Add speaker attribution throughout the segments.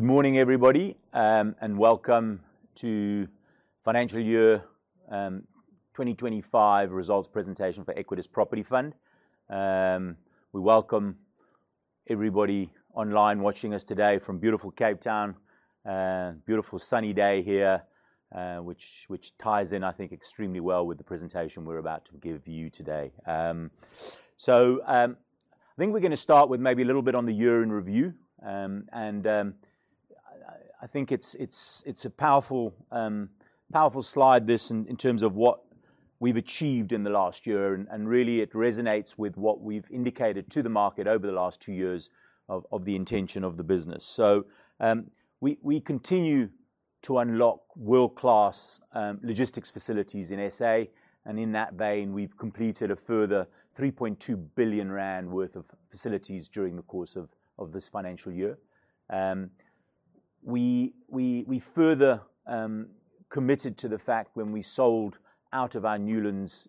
Speaker 1: Good morning, everybody, and welcome to Financial Year 2025 Results Presentation for Equites Property Fund. We welcome everybody online watching us today from beautiful Cape Town. Beautiful sunny day here, which ties in, I think, extremely well with the presentation we're about to give you today. I think we're gonna start with maybe a little bit on the year in review. I think it's a powerful slide this in terms of what we've achieved in the last year. Really it resonates with what we've indicated to the market over the last two years of the intention of the business. We continue to unlock world-class logistics facilities in S.A. In that vein, we've completed a further 3.2 billion rand worth of facilities during the course of this financial year. We further committed to the fact when we sold out of our Newlands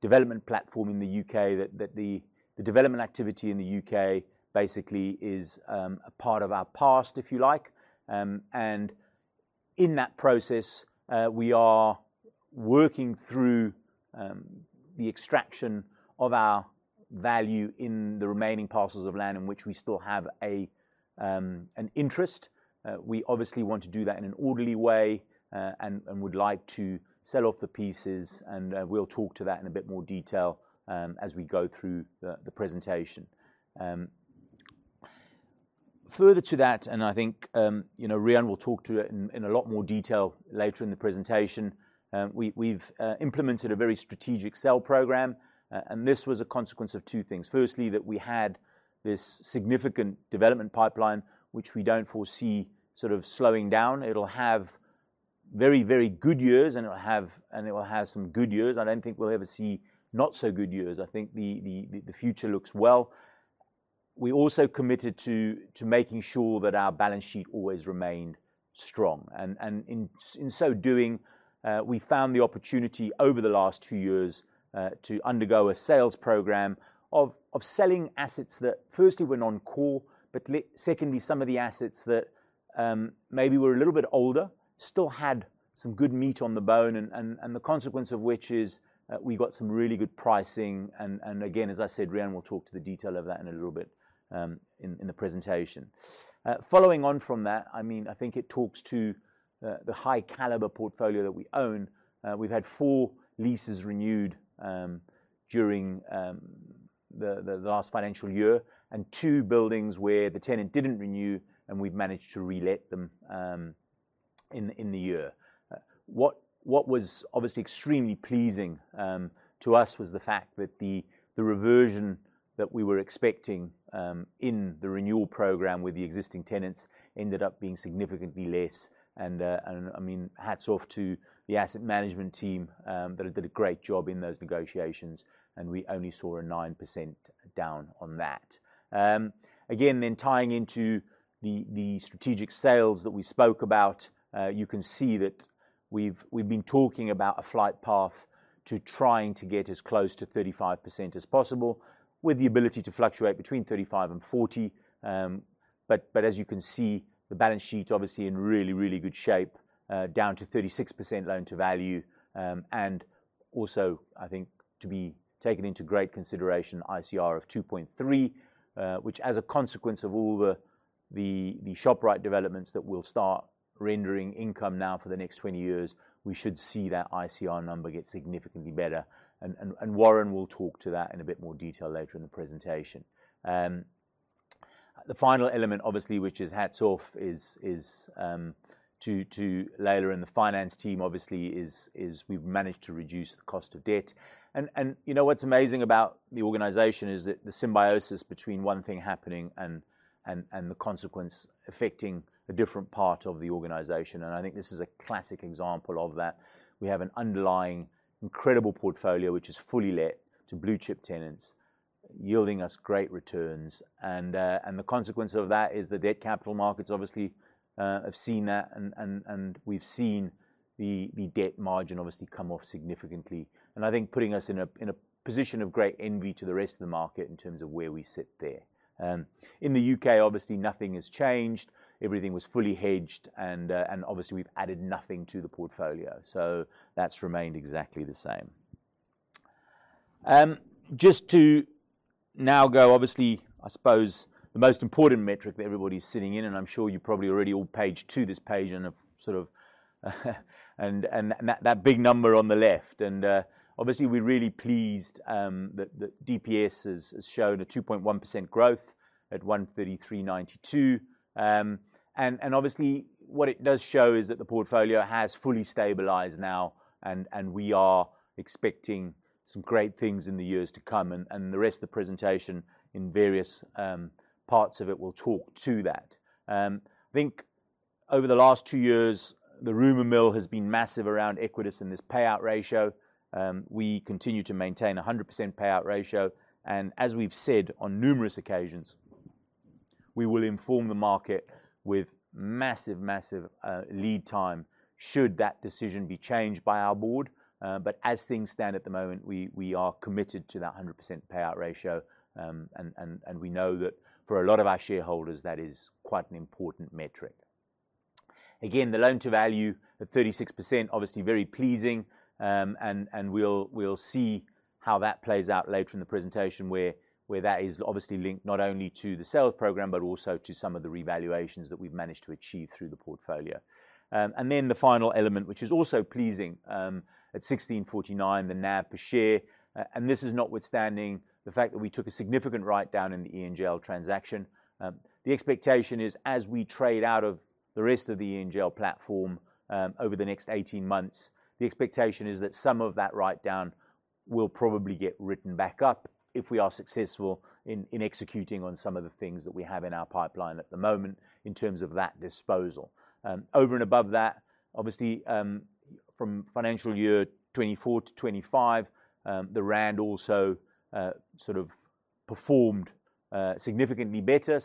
Speaker 1: development platform in the U.K. that the development activity in the U.K. basically is a part of our past, if you like. In that process, we are working through the extraction of our value in the remaining parcels of land in which we still have an interest. We obviously want to do that in an orderly way, and would like to sell off the pieces, and we'll talk to that in a bit more detail, as we go through the presentation. Further to that, I think you know, Riaan will talk to it in a lot more detail later in the presentation. We've implemented a very strategic sell program, and this was a consequence of two things. Firstly, that we had this significant development pipeline, which we don't foresee sort of slowing down. It'll have very good years, and it'll have some good years. I don't think we'll ever see not so good years. I think the future looks well. We also committed to making sure that our balance sheet always remained strong. In so doing, we found the opportunity over the last two years to undergo a sales program of selling assets that firstly were non-core, but secondly, some of the assets that maybe were a little bit older still had some good meat on the bone. The consequence of which is, we got some really good pricing. Again, as I said, Riaan will talk to the detail of that in a little bit, in the presentation. Following on from that, I mean, I think it talks to the high caliber portfolio that we own. We've had four leases renewed during the last financial year, and two buildings where the tenant didn't renew, and we've managed to relet them in the year. What was obviously extremely pleasing to us was the fact that the reversion that we were expecting in the renewal program with the existing tenants ended up being significantly less. I mean, hats off to the asset management team that did a great job in those negotiations, and we only saw a 9% down on that. Again, tying into the strategic sales that we spoke about, you can see that we've been talking about a flight path to trying to get as close to 35% as possible with the ability to fluctuate between 35% and 40%. But as you can see, the balance sheet obviously in really good shape, down to 36% loan to value. I think to be taken into great consideration, ICR of 2.3, which as a consequence of all the Shoprite developments that will start rendering income now for the next 20 years, we should see that ICR number get significantly better. Warren will talk to that in a bit more detail later in the presentation. The final element, obviously, which is hats off, is to Laila and the finance team, obviously, we've managed to reduce the cost of debt. You know, what's amazing about the organization is that the symbiosis between one thing happening and the consequence affecting a different part of the organization. I think this is a classic example of that. We have an underlying incredible portfolio, which is fully let to blue chip tenants yielding us great returns. The consequence of that is the debt capital markets obviously have seen that, and we've seen the debt margin obviously come off significantly. I think putting us in a position of great envy to the rest of the market in terms of where we sit there. In the U.K., obviously, nothing has changed. Everything was fully hedged and obviously, we've added nothing to the portfolio. That's remained exactly the same. Just to now go, obviously, I suppose the most important metric that everybody's sitting in, and I'm sure you probably already all turned to this page and have sort of seen that big number on the left. Obviously, we're really pleased that DPS has shown a 2.1% growth at 133.92. Obviously, what it does show is that the portfolio has fully stabilized now and we are expecting some great things in the years to come. The rest of the presentation in various parts of it will talk to that. I think over the last two years, the rumor mill has been massive around Equites and this payout ratio. We continue to maintain a 100% payout ratio, and as we've said on numerous occasions, we will inform the market with massive lead time should that decision be changed by our board. As things stand at the moment, we are committed to that 100% payout ratio. We know that for a lot of our shareholders, that is quite an important metric. Again, the loan-to-value at 36%, obviously very pleasing, and we'll see how that plays out later in the presentation where that is obviously linked not only to the sales program, but also to some of the revaluations that we've managed to achieve through the portfolio. Then the final element, which is also pleasing, at 1,649, the NAV per share, and this is notwithstanding the fact that we took a significant write down in the EGL transaction. The expectation is as we trade out of the rest of the E+GL platform, over the next 18 months, the expectation is that some of that write-down will probably get written back up if we are successful in executing on some of the things that we have in our pipeline at the moment in terms of that disposal. Over and above that, obviously, from financial year 2024 to 2025, the rand also sort of performed significantly better.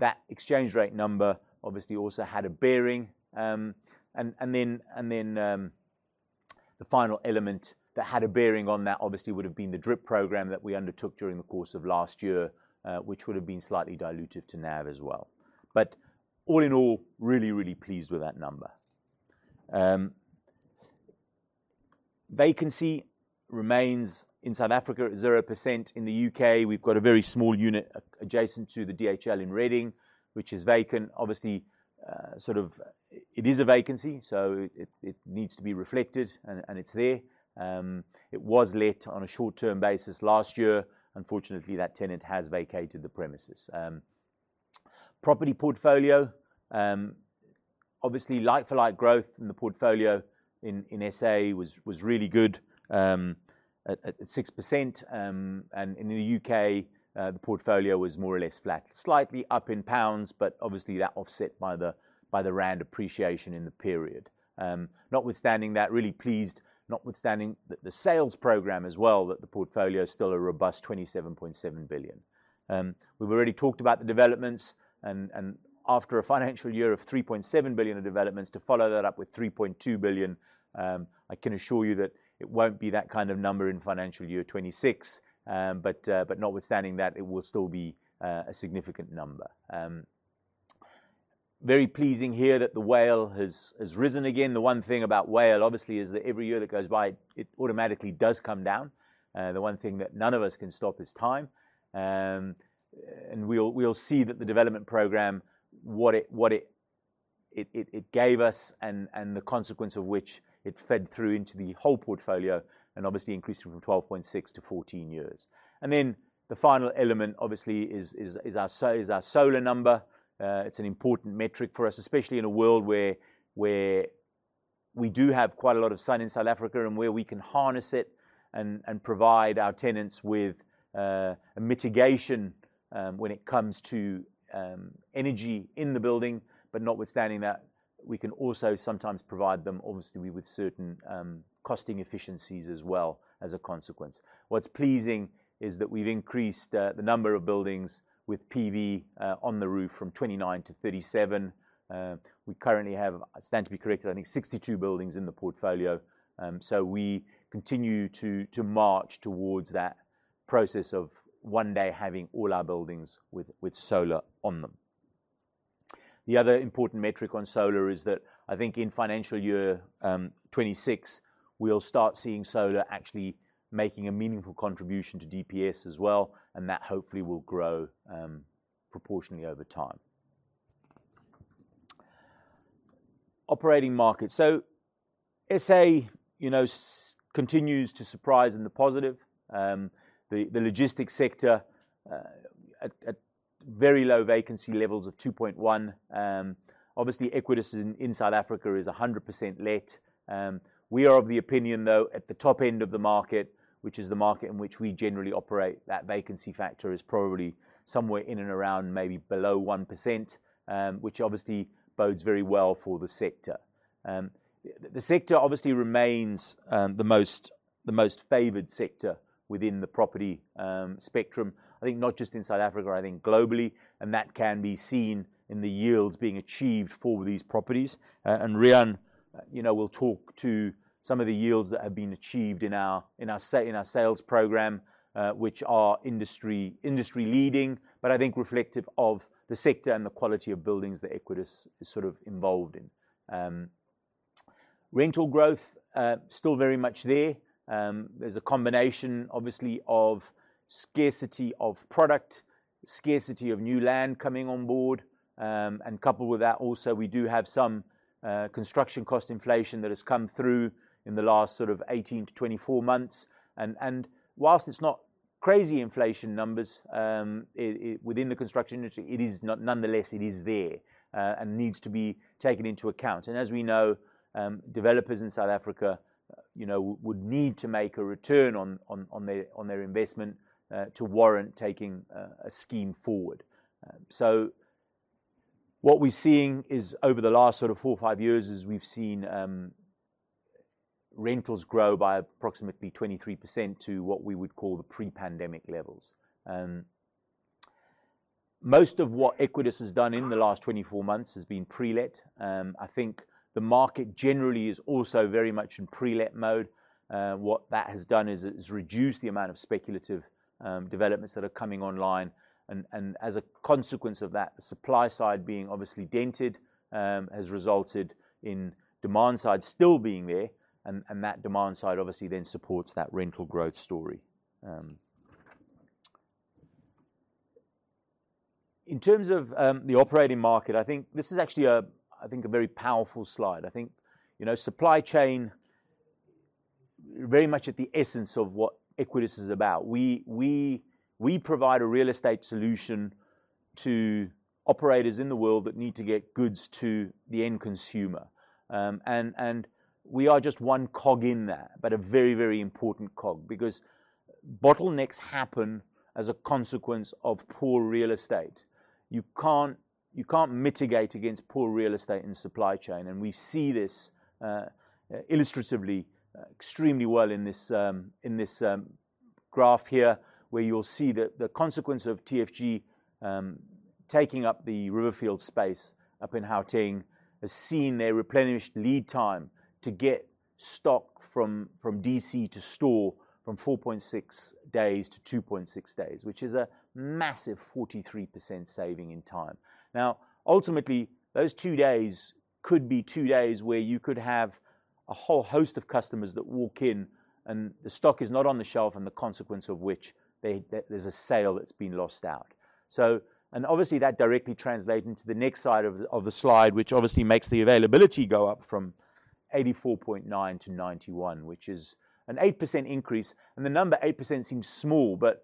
Speaker 1: That exchange rate number obviously also had a bearing. The final element that had a bearing on that obviously would have been the DRIP program that we undertook during the course of last year, which would have been slightly diluted to NAV as well. All in all, really, really pleased with that number. Vacancy remains in South Africa at 0%. In the U.K., we've got a very small unit adjacent to the DHL in Reading, which is vacant. Obviously, sort of, it is a vacancy, so it needs to be reflected and it's there. It was let on a short-term basis last year. Unfortunately, that tenant has vacated the premises. Property portfolio, obviously like-for-like growth in the portfolio in S.A. was really good at 6%, and in the U.K., the portfolio was more or less flat. Slightly up in pounds, but obviously that offset by the rand appreciation in the period. Notwithstanding that, really pleased, notwithstanding the sales program as well, that the portfolio is still a robust 27.7 billion. We've already talked about the developments and after a financial year of 3.7 billion of developments to follow that up with 3.2 billion, I can assure you that it won't be that kind of number in financial year 2026. But notwithstanding that, it will still be a significant number. Very pleasing here that the WALE has risen again. The one thing about WALE, obviously, is that every year that goes by, it automatically does come down. The one thing that none of us can stop is time. We'll see that the development program what it gave us and the consequence of which it fed through into the whole portfolio and obviously increased from 12.6 to 14 years. The final element obviously is our solar number. It's an important metric for us, especially in a world where we do have quite a lot of sun in South Africa and where we can harness it and provide our tenants with a mitigation when it comes to energy in the building. Notwithstanding that, we can also sometimes provide them obviously with certain costing efficiencies as well as a consequence. What's pleasing is that we've increased the number of buildings with PV on the roof from 29 to 37. We currently have, stand to be corrected, I think 62 buildings in the portfolio. We continue to march towards that process of one day having all our buildings with solar on them. The other important metric on solar is that I think in financial year 2026, we'll start seeing solar actually making a meaningful contribution to DPS as well, and that hopefully will grow proportionally over time. Operating markets. S.A., you know, continues to surprise in the positive. The logistics sector at very low vacancy levels of 2.1%. Obviously, Equites in South Africa is 100% let. We are of the opinion, though, at the top end of the market, which is the market in which we generally operate, that vacancy factor is probably somewhere in and around maybe below 1%, which obviously bodes very well for the sector. The sector obviously remains the most favored sector within the property spectrum. I think not just in South Africa, I think globally, and that can be seen in the yields being achieved for these properties. Riaan, you know, will talk to some of the yields that have been achieved in our sales program, which are industry leading, but I think reflective of the sector and the quality of buildings that Equites is sort of involved in. Rental growth still very much there. There's a combination obviously of scarcity of product, scarcity of new land coming on board, and coupled with that also, we do have some construction cost inflation that has come through in the last sort of 18-24 months. While it's not crazy inflation numbers, within the construction industry, nonetheless, it is there and needs to be taken into account. As we know, developers in South Africa would need to make a return on their investment to warrant taking a scheme forward. What we're seeing is over the last sort of four or five years we've seen rentals grow by approximately 23% to what we would call the pre-pandemic levels. Most of what Equites has done in the last 24 months has been pre-let. I think the market generally is also very much in pre-let mode. What that has done is it's reduced the amount of speculative developments that are coming online and, as a consequence of that, supply side being obviously dented, has resulted in demand side still being there and that demand side obviously then supports that rental growth story. In terms of the operating market, I think this is actually a very powerful slide. I think, you know, supply chain very much at the essence of what Equites is about. We provide a real estate solution to operators in the world that need to get goods to the end consumer. We are just one cog in that, but a very important cog because bottlenecks happen as a consequence of poor real estate. You can't mitigate against poor real estate in supply chain, and we see this illustratively extremely well in this graph here, where you'll see the consequence of TFG taking up the Riverfields space up in Gauteng has seen their replenished lead time to get stock from DC to store from 4.6 days to 2.6 days, which is a massive 43% saving in time. Now, ultimately, those two days could be two days where you could have a whole host of customers that walk in and the stock is not on the shelf, and the consequence of which there's a sale that's been lost out. Obviously, that directly translates into the next side of the slide, which obviously makes the availability go up from 84.9%-91%, which is an 8% increase. The number 8% seems small, but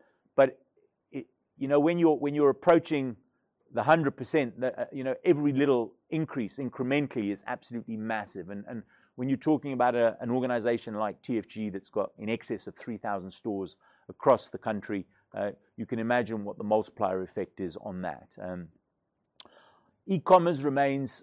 Speaker 1: it you know, when you're approaching the 100%, you know, every little increase incrementally is absolutely massive. When you're talking about an organization like TFG that's got in excess of 3,000 stores across the country, you can imagine what the multiplier effect is on that. E-commerce remains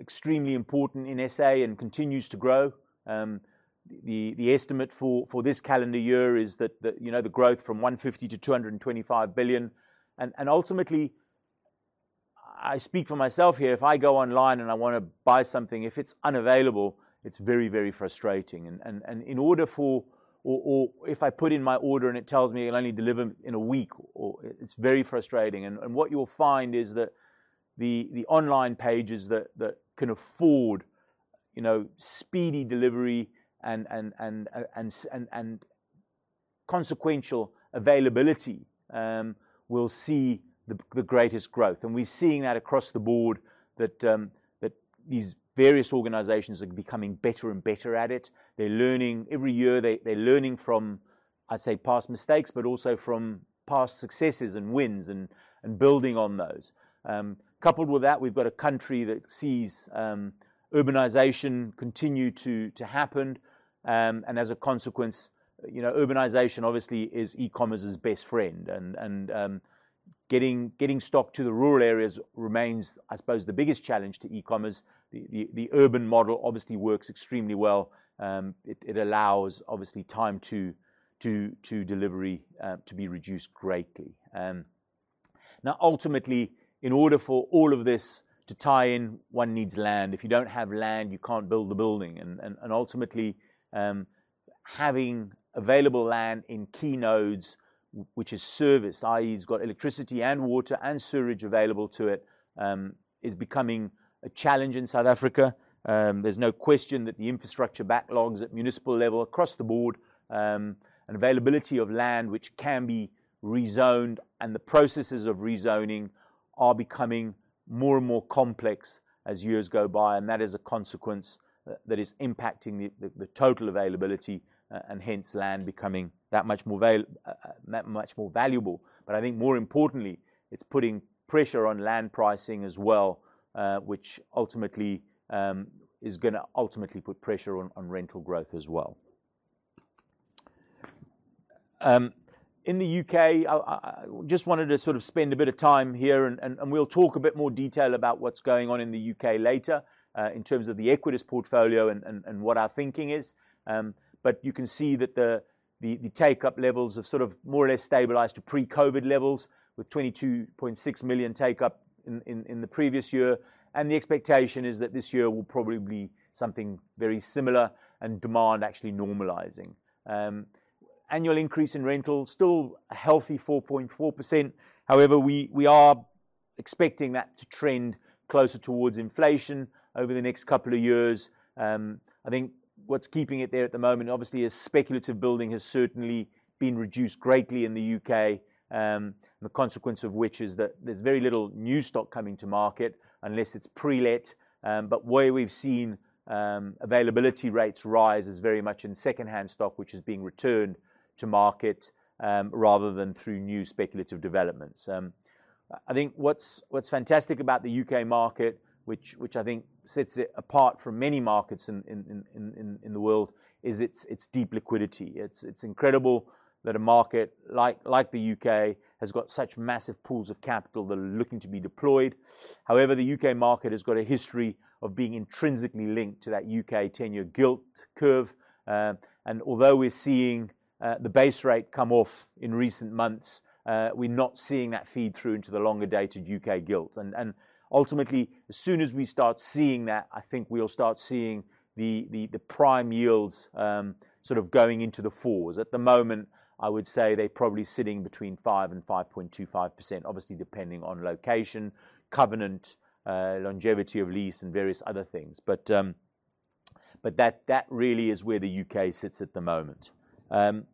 Speaker 1: extremely important in S.A. and continues to grow. The estimate for this calendar year is that you know, the growth from 150 billion to 225 billion. Ultimately, I speak for myself here, if I go online and I wanna buy something, if it's unavailable, it's very, very frustrating. If I put in my order and it tells me it'll only deliver in a week, it's very frustrating. What you'll find is that the online pages that can afford, you know, speedy delivery and consequential availability will see the greatest growth. We're seeing that across the board that these various organizations are becoming better and better at it. They're learning. Every year they're learning from, I say, past mistakes, but also from past successes and wins and building on those. Coupled with that, we've got a country that sees urbanization continue to happen. As a consequence, you know, urbanization obviously is e-commerce's best friend and getting stock to the rural areas remains, I suppose, the biggest challenge to e-commerce. The urban model obviously works extremely well. It allows obviously time to delivery to be reduced greatly. Now ultimately, in order for all of this to tie in, one needs land. If you don't have land, you can't build the building and ultimately having available land in key nodes, which is serviced, i.e., it's got electricity and water and sewage available to it, is becoming a challenge in South Africa. There's no question that the infrastructure backlogs at municipal level across the board, and availability of land which can be rezoned and the processes of rezoning are becoming more and more complex as years go by, and that is a consequence that is impacting the total availability, and hence land becoming that much more valuable. I think more importantly, it's putting pressure on land pricing as well, which ultimately is gonna ultimately put pressure on rental growth as well. In the U.K., I just wanted to sort of spend a bit of time here and we'll talk in a bit more detail about what's going on in the U.K. later, in terms of the Equites portfolio and what our thinking is. You can see that the take-up levels have sort of more or less stabilized to pre-COVID levels with 22.6 million take-up in the previous year. The expectation is that this year will probably be something very similar and demand actually normalizing. Annual increase in rental still a healthy 4.4%. However, we are expecting that to trend closer towards inflation over the next couple of years. I think what's keeping it there at the moment, obviously, is speculative building has certainly been reduced greatly in the U.K., and the consequence of which is that there's very little new stock coming to market unless it's pre-let. Where we've seen availability rates rise is very much in secondhand stock, which is being returned to market, rather than through new speculative developments. I think what's fantastic about the U.K. market, which I think sets it apart from many markets in the world, is its deep liquidity. It's incredible that a market like the U.K. has got such massive pools of capital that are looking to be deployed. However, the U.K. market has got a history of being intrinsically linked to that U.K. 10-year gilt curve. Although we're seeing the base rate come off in recent months, we're not seeing that feed through into the longer-dated U.K. gilt. Ultimately, as soon as we start seeing that, I think we'll start seeing the prime yields sort of going into the fours. At the moment, I would say they're probably sitting between 5%-5.25%, obviously depending on location, covenant, longevity of lease, and various other things. That really is where the U.K. sits at the moment. In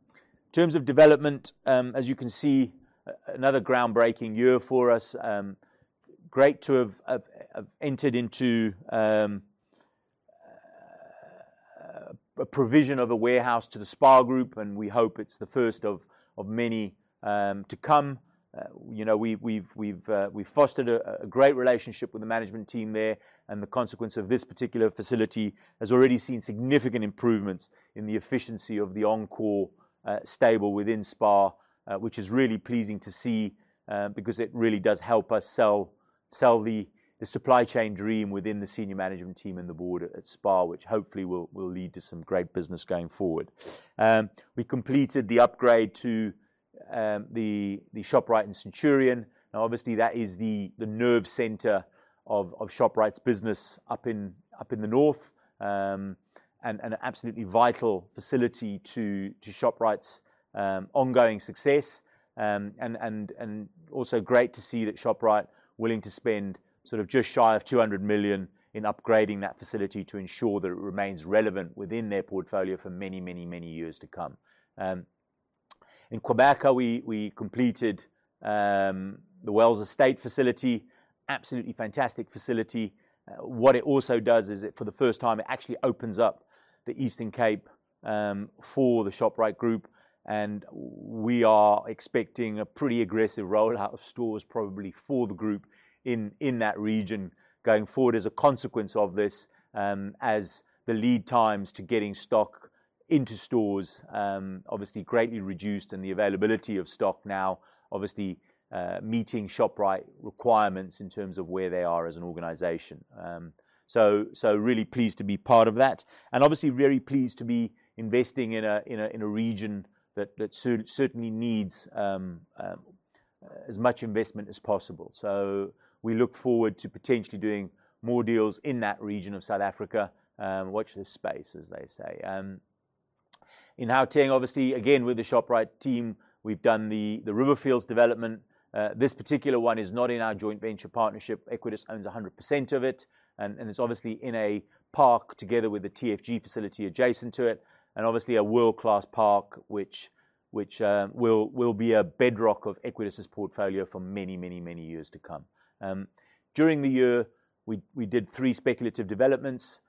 Speaker 1: terms of development, as you can see, another groundbreaking year for us. Great to have entered into a provision of a warehouse to the SPAR Group, and we hope it's the first of many to come. You know, we've fostered a great relationship with the management team there, and the consequence of this particular facility has already seen significant improvements in the efficiency of the anchor stable within SPAR, which is really pleasing to see, because it really does help us sell the supply chain dream within the senior management team and the board at SPAR, which hopefully will lead to some great business going forward. We completed the upgrade to the Shoprite in Centurion, and obviously that is the nerve center of Shoprite's business up in the north. An absolutely vital facility to Shoprite's ongoing success. Also great to see that Shoprite willing to spend sort of just shy of 200 million in upgrading that facility to ensure that it remains relevant within their portfolio for many years to come. In Gqeberha, we completed the Wells Estate facility. Absolutely fantastic facility. What it also does is it, for the first time, it actually opens up the Eastern Cape for the Shoprite Group, and we are expecting a pretty aggressive rollout of stores probably for the group in that region going forward as a consequence of this, as the lead times to getting stock into stores obviously greatly reduced and the availability of stock now obviously meeting Shoprite requirements in terms of where they are as an organization. Really pleased to be part of that. Obviously very pleased to be investing in a region that certainly needs as much investment as possible. We look forward to potentially doing more deals in that region of South Africa. Watch this space, as they say. And how we're doing obviously, again, with the Shoprite team, we've done the Riverfields development. This particular one is not in our joint venture partnership. Equites owns 100% of it. It's obviously in a park together with the TFG facility adjacent to it. Obviously, a world-class park which will be a bedrock of Equites' portfolio for many years to come. During the year, we did three speculative developments.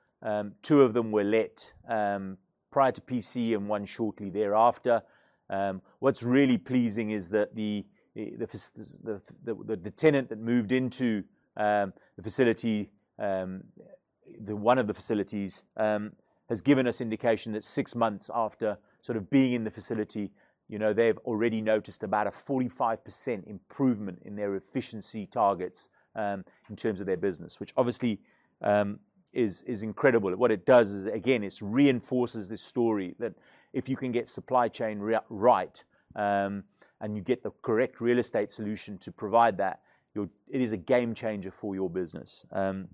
Speaker 1: Two of them were let prior to PC and one shortly thereafter. What's really pleasing is that the tenant that moved into the facility, one of the facilities, has given us indication that six months after sort of being in the facility, you know, they've already noticed about a 45% improvement in their efficiency targets in terms of their business. Which obviously is incredible. What it does is, again, it reinforces this story that if you can get supply chain right, and you get the correct real estate solution to provide that, it is a game changer for your business. And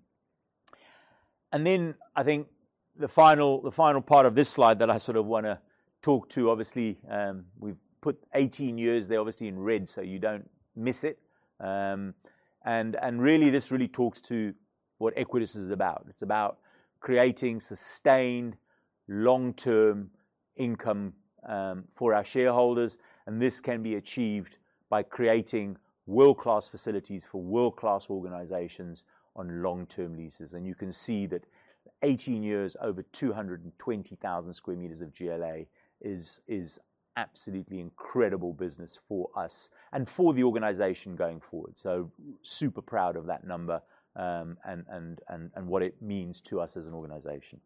Speaker 1: then I think the final part of this slide that I sort of wanna talk to, obviously, we've put 18 years there obviously in red, so you don't miss it. Really, this talks to what Equites is about. It's about creating sustained long-term income for our shareholders, and this can be achieved by creating world-class facilities for world-class organizations on long-term leases. You can see that 18 years, over 220,000 sq m of GLA is absolutely incredible business for us and for the organization going forward. Super proud of that number, and what it means to us as an organization.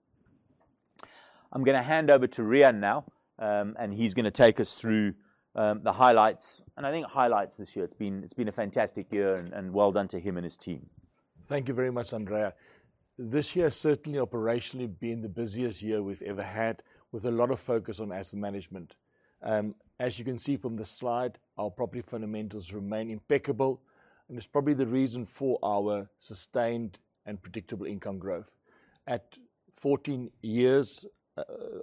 Speaker 1: I'm gonna hand over to Riaan now, and he's gonna take us through the highlights. I think highlights this year. It's been a fantastic year and well done to him and his team.
Speaker 2: Thank you very much, Andrea. This year certainly operationally been the busiest year we've ever had with a lot of focus on asset management. As you can see from the slide, our property fundamentals remain impeccable, and it's probably the reason for our sustained and predictable income growth. At 14 years,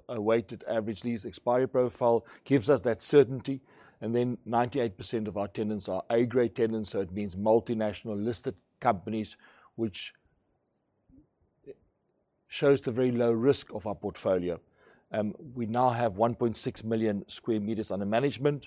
Speaker 2: a weighted average lease expiry profile gives us that certainty, and then 98% of our tenants are A grade tenants, so it means multinational listed companies, which shows the very low risk of our portfolio. We now have 1.6 million sq m under management.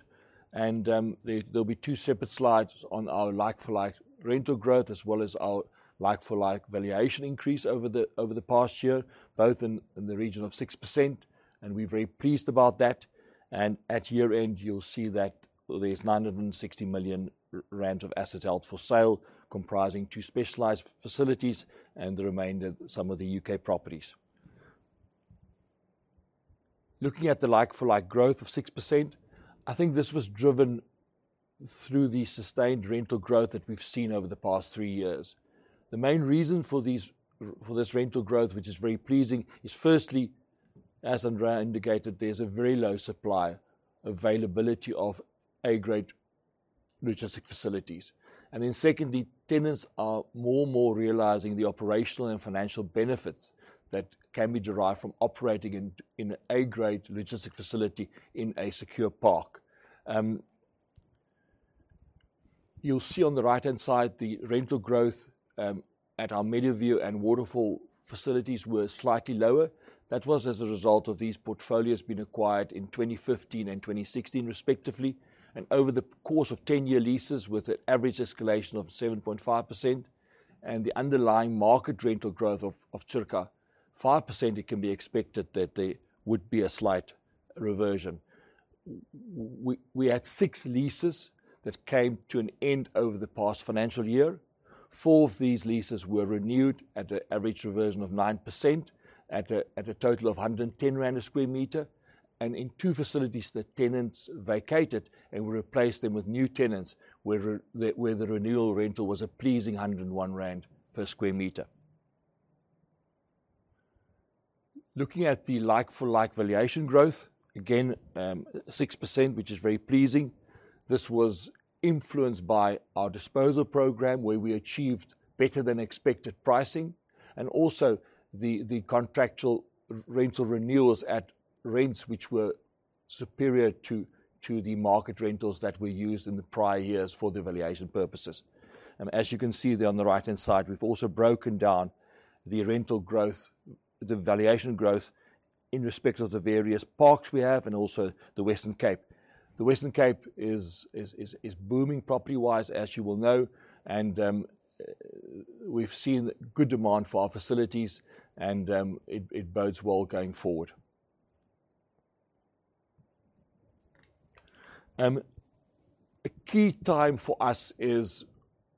Speaker 2: There'll be two separate slides on our like-for-like rental growth as well as our like-for-like valuation increase over the past year, both in the region of 6%, and we're very pleased about that. At year-end, you'll see that there's 960 million rand of assets held for sale, comprising two specialized facilities and the remainder, some of the U.K. properties. Looking at the like-for-like growth of 6%, I think this was driven through the sustained rental growth that we've seen over the past three years. The main reason for this rental growth, which is very pleasing, is firstly, as Andrea indicated, there's a very low supply availability of A-grade logistics facilities. Secondly, tenants are more and more realizing the operational and financial benefits that can be derived from operating in an A-grade logistics facility in a secure park. You'll see on the right-hand side the rental growth at our Meadowview and Waterfall facilities were slightly lower. That was as a result of these portfolios being acquired in 2015 and 2016 respectively, and over the course of 10-year leases with an average escalation of 7.5% and the underlying market rental growth of circa 5%, it can be expected that there would be a slight reversion. We had six leases that came to an end over the past financial year. Four of these leases were renewed at an average reversion of 9% at a total of 110 rand per sq m. In two facilities, the tenants vacated, and we replaced them with new tenants, where the renewal rental was a pleasing 101 rand per sq m. Looking at the like-for-like valuation growth, again, 6%, which is very pleasing. This was influenced by our disposal program, where we achieved better than expected pricing and also the contractual rental renewals at rents which were superior to the market rentals that were used in the prior years for the valuation purposes. As you can see there on the right-hand side, we've also broken down the rental growth, the valuation growth in respect of the various parks we have and also the Western Cape. The Western Cape is booming property-wise, as you will know. We've seen good demand for our facilities, and it bodes well going forward. A key time for us is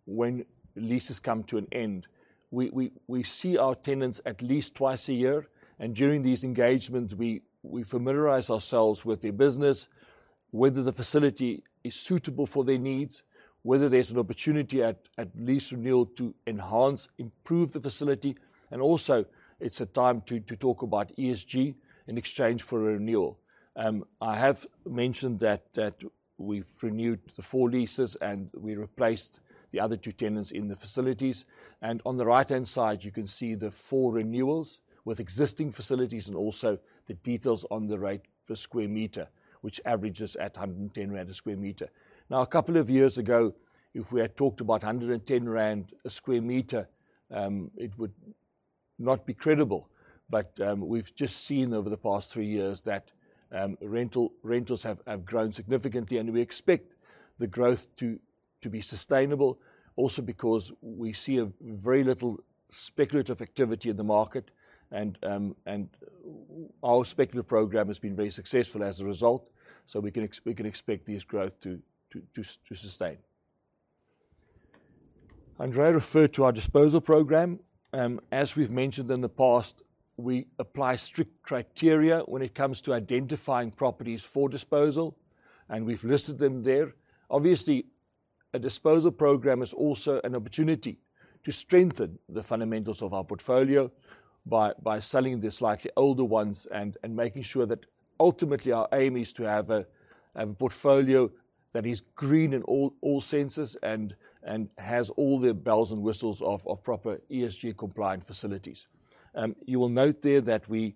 Speaker 2: when leases come to an end. We see our tenants at least twice a year, and during these engagements, we familiarize ourselves with their business, whether the facility is suitable for their needs, whether there's an opportunity at lease renewal to enhance, improve the facility, and also, it's a time to talk about ESG in exchange for a renewal. I have mentioned that we've renewed the four leases and we replaced the other two tenants in the facilities. On the right-hand side, you can see the four renewals with existing facilities and also the details on the rate per square meter, which averages at 110 rand a sq m. Now, a couple of years ago, if we had talked about 110 rand a sq m, it would not be credible. We've just seen over the past three years that rental... Rentals have grown significantly, and we expect the growth to be sustainable also because we see very little speculative activity in the market and our speculative program has been very successful as a result, so we can expect this growth to sustain. Andrea referred to our disposal program. As we've mentioned in the past, we apply strict criteria when it comes to identifying properties for disposal, and we've listed them there. Obviously, a disposal program is also an opportunity to strengthen the fundamentals of our portfolio by selling the slightly older ones and making sure that ultimately our aim is to have a portfolio that is green in all senses and has all the bells and whistles of proper ESG compliant facilities. You will note there that we-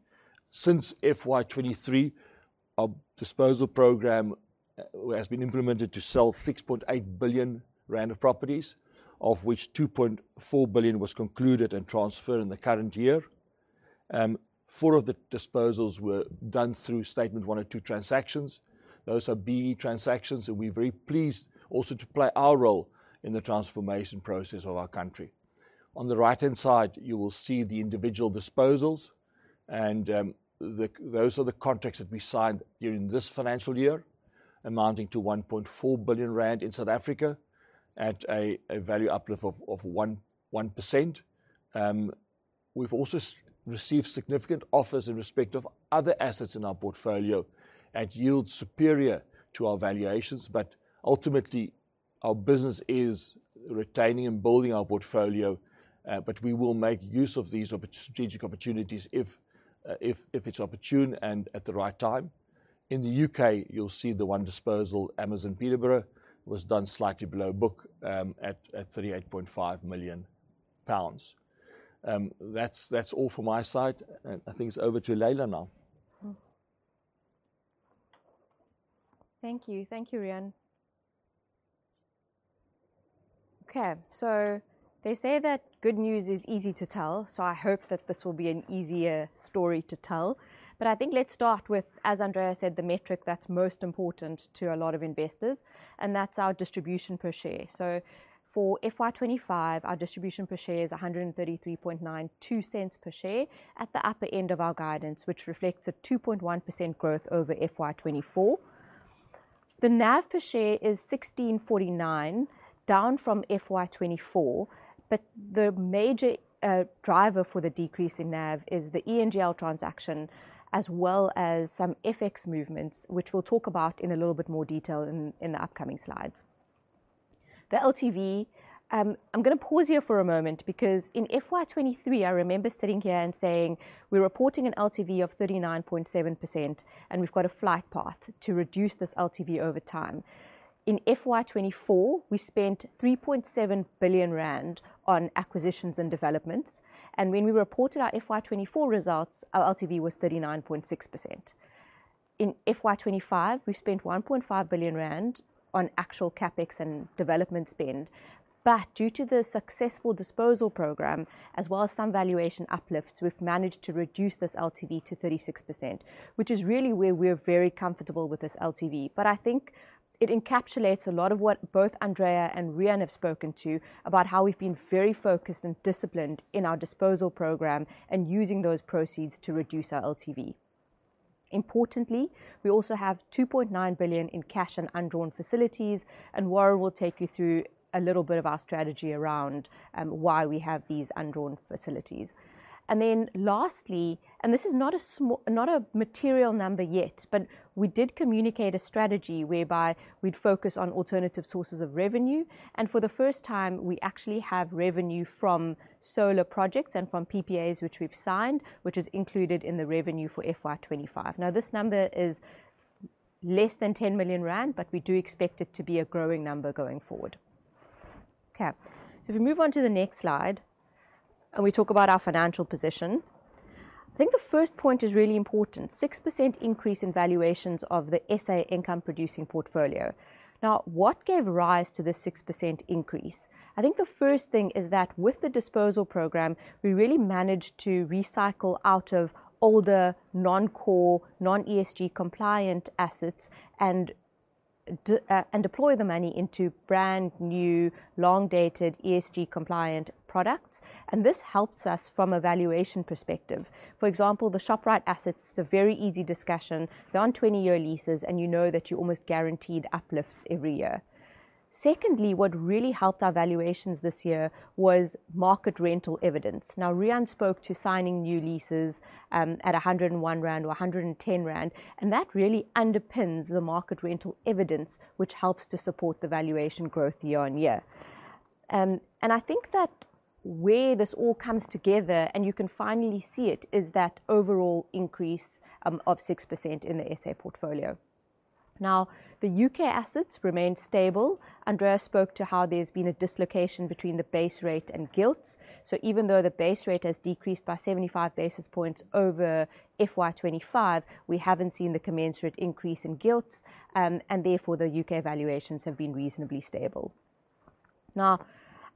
Speaker 2: Since FY 2023, our disposal program has been implemented to sell 6.8 billion rand of properties, of which 2.4 billion was concluded and transferred in the current year. Four of the disposals were done through Statement 102 transactions. Those are BEE transactions, and we're very pleased also to play our role in the transformation process of our country. On the right-hand side, you will see the individual disposals, and those are the contracts that we signed during this financial year, amounting to 1.4 billion rand in South Africa at a value uplift of 1%. We've also received significant offers in respect of other assets in our portfolio at yields superior to our valuations, but ultimately our business is retaining and building our portfolio. We will make use of these strategic opportunities if it's opportune and at the right time. In the U.K., you'll see the one disposal, Amazon Peterborough, was done slightly below book, at 38.5 million pounds. That's all from my side. I think it's over to Laila now.
Speaker 3: Thank you. Thank you, Riaan. Okay, they say that good news is easy to tell. I hope that this will be an easier story to tell. I think let's start with, as Andrea said, the metric that's most important to a lot of investors, and that's our distribution per share. For FY 2025, our distribution per share is 1.3392 per share at the upper end of our guidance, which reflects a 2.1% growth over FY 2024. The NAV per share is 1,649, down from FY 2024. The major driver for the decrease in NAV is the EGL transaction, as well as some FX movements, which we'll talk about in a little bit more detail in the upcoming slides. The LTV, I'm gonna pause here for a moment because in FY 2023, I remember sitting here and saying, we're reporting an LTV of 39.7%, and we've got a flight path to reduce this LTV over time. In FY 2024, we spent 3.7 billion rand on acquisitions and developments, and when we reported our FY 2024 results, our LTV was 39.6%. In FY 2025, we spent 1.5 billion rand on actual CapEx and development spend. Due to the successful disposal program as well as some valuation uplifts, we've managed to reduce this LTV to 36%, which is really where we're very comfortable with this LTV. I think it encapsulates a lot of what both Andrea and Riaan have spoken to about how we've been very focused and disciplined in our disposal program and using those proceeds to reduce our LTV. Importantly, we also have 2.9 billion in cash and undrawn facilities, and Warren will take you through a little bit of our strategy around why we have these undrawn facilities. Then lastly, this is not a material number yet, but we did communicate a strategy whereby we'd focus on alternative sources of revenue. For the first time, we actually have revenue from solar projects and from PPAs which we've signed, which is included in the revenue for FY 2025. Now, this number is less than 10 million rand, but we do expect it to be a growing number going forward. Okay. If we move on to the next slide and we talk about our financial position, I think the first point is really important, 6% increase in valuations of the S,A. Income producing portfolio. Now, what gave rise to this 6% increase? I think the first thing is that with the disposal program, we really managed to recycle out of older non-core, non-ESG compliant assets and deploy the money into brand new long-dated ESG compliant products. This helps us from a valuation perspective. For example, the Shoprite assets, it's a very easy discussion. They're on 20-year leases, and you know that you're almost guaranteed uplifts every year. Secondly, what really helped our valuations this year was market rental evidence. Now, Riaan spoke to signing new leases at 101 rand or 110 rand, and that really underpins the market rental evidence, which helps to support the valuation growth year-on-year. I think that where this all comes together and you can finally see it is that overall increase of 6% in the S.A. portfolio. Now, the U.K. assets remain stable. Andrea spoke to how there's been a dislocation between the base rate and gilts. Even though the base rate has decreased by 75 basis points over FY 2025, we haven't seen the commensurate increase in gilts, and therefore the U.K. valuations have been reasonably stable. Now,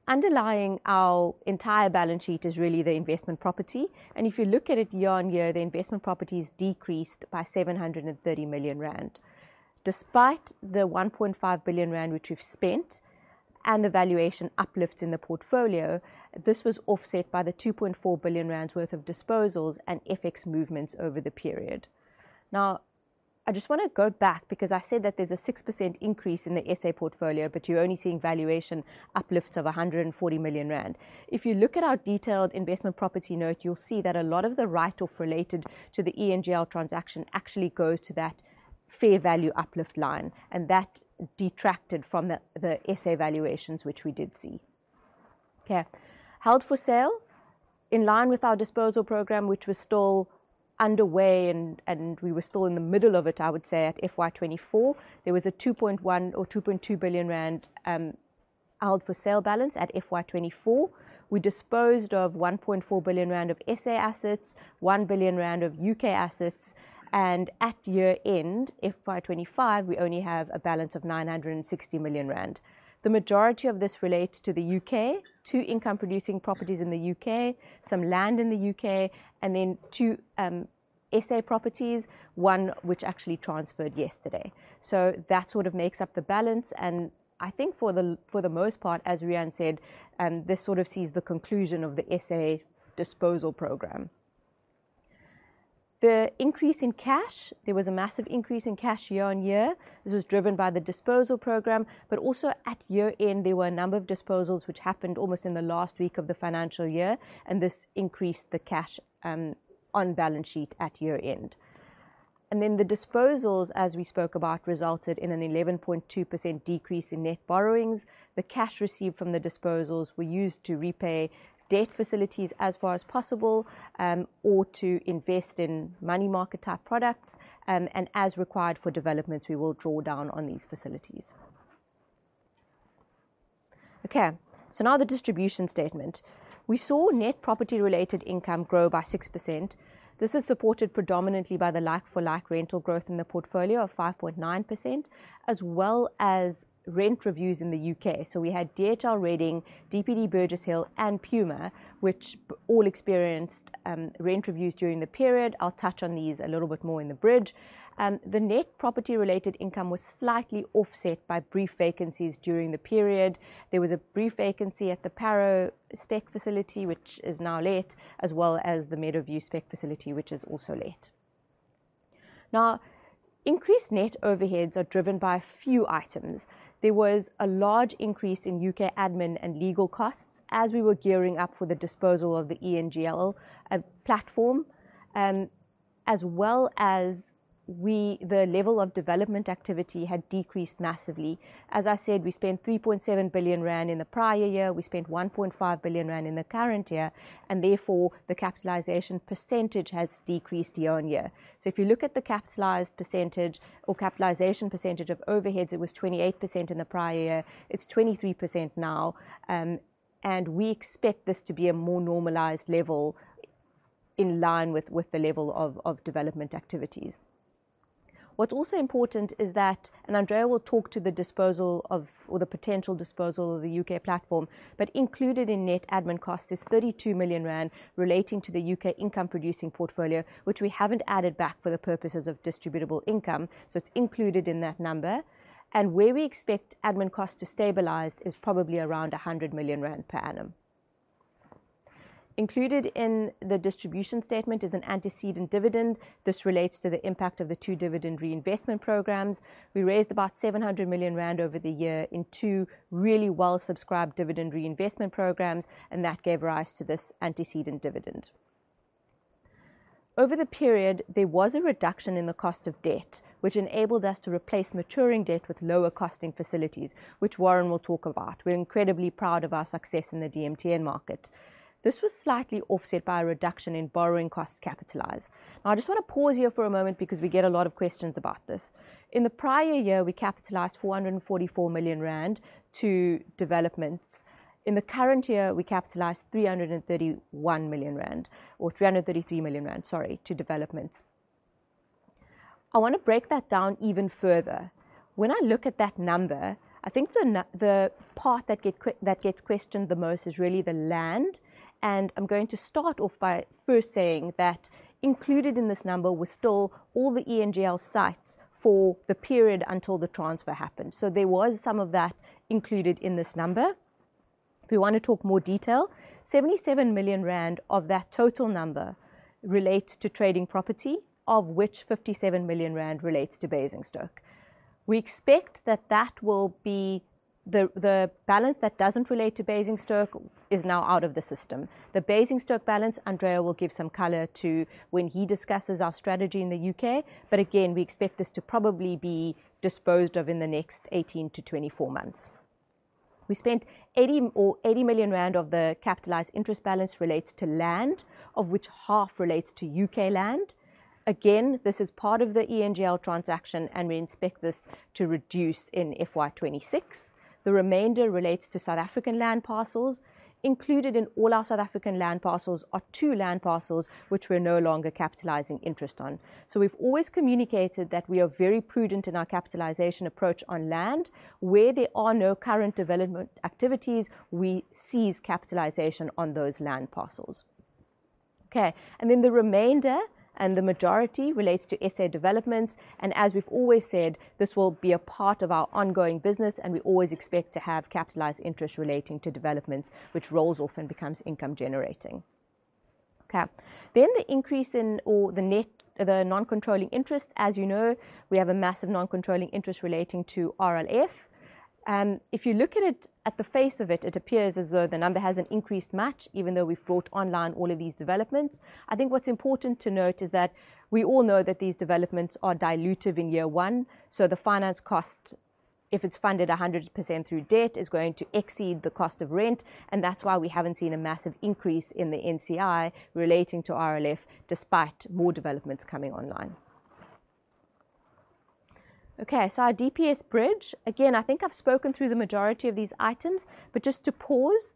Speaker 3: underlying our entire balance sheet is really the investment property, and if you look at it year-on-year, the investment property has decreased by 730 million rand. Despite the 1.5 billion rand which we've spent and the valuation uplifts in the portfolio, this was offset by the 2.4 billion rand worth of disposals and FX movements over the period. Now, I just wanna go back because I said that there's a 6% increase in the S.A. portfolio, but you're only seeing valuation uplifts of 140 million rand. If you look at our detailed investment property note, you'll see that a lot of the write-off related to the EGL transaction actually goes to that fair value uplift line, and that detracted from the S.A. valuations, which we did see. Okay. Held for sale. In line with our disposal program, which was still underway and we were still in the middle of it, I would say at FY 2024, there was a 2.1 billion or 2.2 billion rand held for sale balance at FY 2024. We disposed of 1.4 billion rand of S.A. assets, 1 billion rand of U.K. assets, and at year-end, FY 2025, we only have a balance of 960 million rand. The majority of this relates to the U.K., two income producing properties in the U.K., some land in the U.K. and then two S.A. properties, one which actually transferred yesterday. That sort of makes up the balance, and I think for the most part, as Riaan said, this sort of sees the conclusion of the S.A. disposal program. There was a massive increase in cash year-on-year. This was driven by the disposal program. At year-end there were a number of disposals which happened almost in the last week of the financial year, and this increased the cash on balance sheet at year-end. The disposals, as we spoke about, resulted in an 11.2% decrease in net borrowings. The cash received from the disposals were used to repay debt facilities as far as possible, or to invest in money market type products. As required for developments, we will draw down on these facilities. Okay, now the distribution statement. We saw net property related income grow by 6%. This is supported predominantly by the like-for-like rental growth in the portfolio of 5.9% as well as rent reviews in the U.K. We had DHL, Reading, DPD, Burgess Hill and Puma, which all experienced rent reviews during the period. I'll touch on these a little bit more in the bridge. The net property related income was slightly offset by brief vacancies during the period. There was a brief vacancy at the Parow spec facility, which is now let, as well as the Meadowview spec facility, which is also let. Increased net overheads are driven by a few items. There was a large increase in U.K. admin and legal costs as we were gearing up for the disposal of the EGL platform. The level of development activity had decreased massively. As I said, we spent 3.7 billion rand in the prior year. We spent 1.5 billion rand in the current year, and therefore the capitalization percentage has decreased year on year. If you look at the capitalized percentage or capitalization percentage of overheads, it was 28% in the prior year. It's 23% now. We expect this to be a more normalized level in line with the level of development activities. What's also important is that Andrea will talk to the disposal of or the potential disposal of the U.K. platform but included in net admin costs is 32 million rand relating to the U.K. income producing portfolio, which we haven't added back for the purposes of distributable income, so it's included in that number. Where we expect admin costs to stabilize is probably around 100 million rand per annum. Included in the distribution statement is an antecedent dividend. This relates to the impact of the two dividend reinvestment programs. We raised about 700 million rand over the year in two really well subscribed dividend reinvestment programs, and that gave rise to this antecedent dividend. Over the period, there was a reduction in the cost of debt, which enabled us to replace maturing debt with lower costing facilities, which Warren will talk about. We're incredibly proud of our success in the DMTN market. This was slightly offset by a reduction in borrowing costs capitalized. Now, I just want to pause here for a moment because we get a lot of questions about this. In the prior year, we capitalized 444 million rand to developments. In the current year, we capitalized 331 million rand, or 333 million rand, sorry, to developments. I want to break that down even further. When I look at that number, I think the part that gets questioned the most is really the land. I'm going to start off by first saying that included in this number was still all the EGL sites for the period until the transfer happened. There was some of that included in this number. If we want to talk more detail, 77 million rand of that total number relates to trading property, of which 57 million rand relates to Basingstoke. We expect that that will be. The balance that doesn't relate to Basingstoke is now out of the system. The Basingstoke balance, Andrea will give some color to when he discusses our strategy in the U.K., but again, we expect this to probably be disposed of in the next 18-24 months. The 80 million rand of the capitalized interest balance relates to land, of which half relates to U.K. land. This is part of the EGL transaction, and we expect this to reduce in FY 2026. The remainder relates to South African land parcels. Included in all our South African land parcels are two land parcels which we're no longer capitalizing interest on. We've always communicated that we are very prudent in our capitalization approach on land. Where there are no current development activities, we cease capitalization on those land parcels. The remainder and the majority relates to S.A. developments, and as we've always said, this will be a part of our ongoing business, and we always expect to have capitalized interest relating to developments which rolls off and becomes income generating. The increase in or the net, the non-controlling interest. As you know, we have a massive non-controlling interest relating to RLF. If you look at it at the face of it appears as though the number hasn't increased much even though we've brought online all of these developments. I think what's important to note is that we all know that these developments are dilutive in year one, so the finance cost, if it's funded 100% through debt, is going to exceed the cost of rent, and that's why we haven't seen a massive increase in the NCI relating to RLF despite more developments coming online. Okay, so our DPS bridge. Again, I think I've spoken through the majority of these items. Just to pause,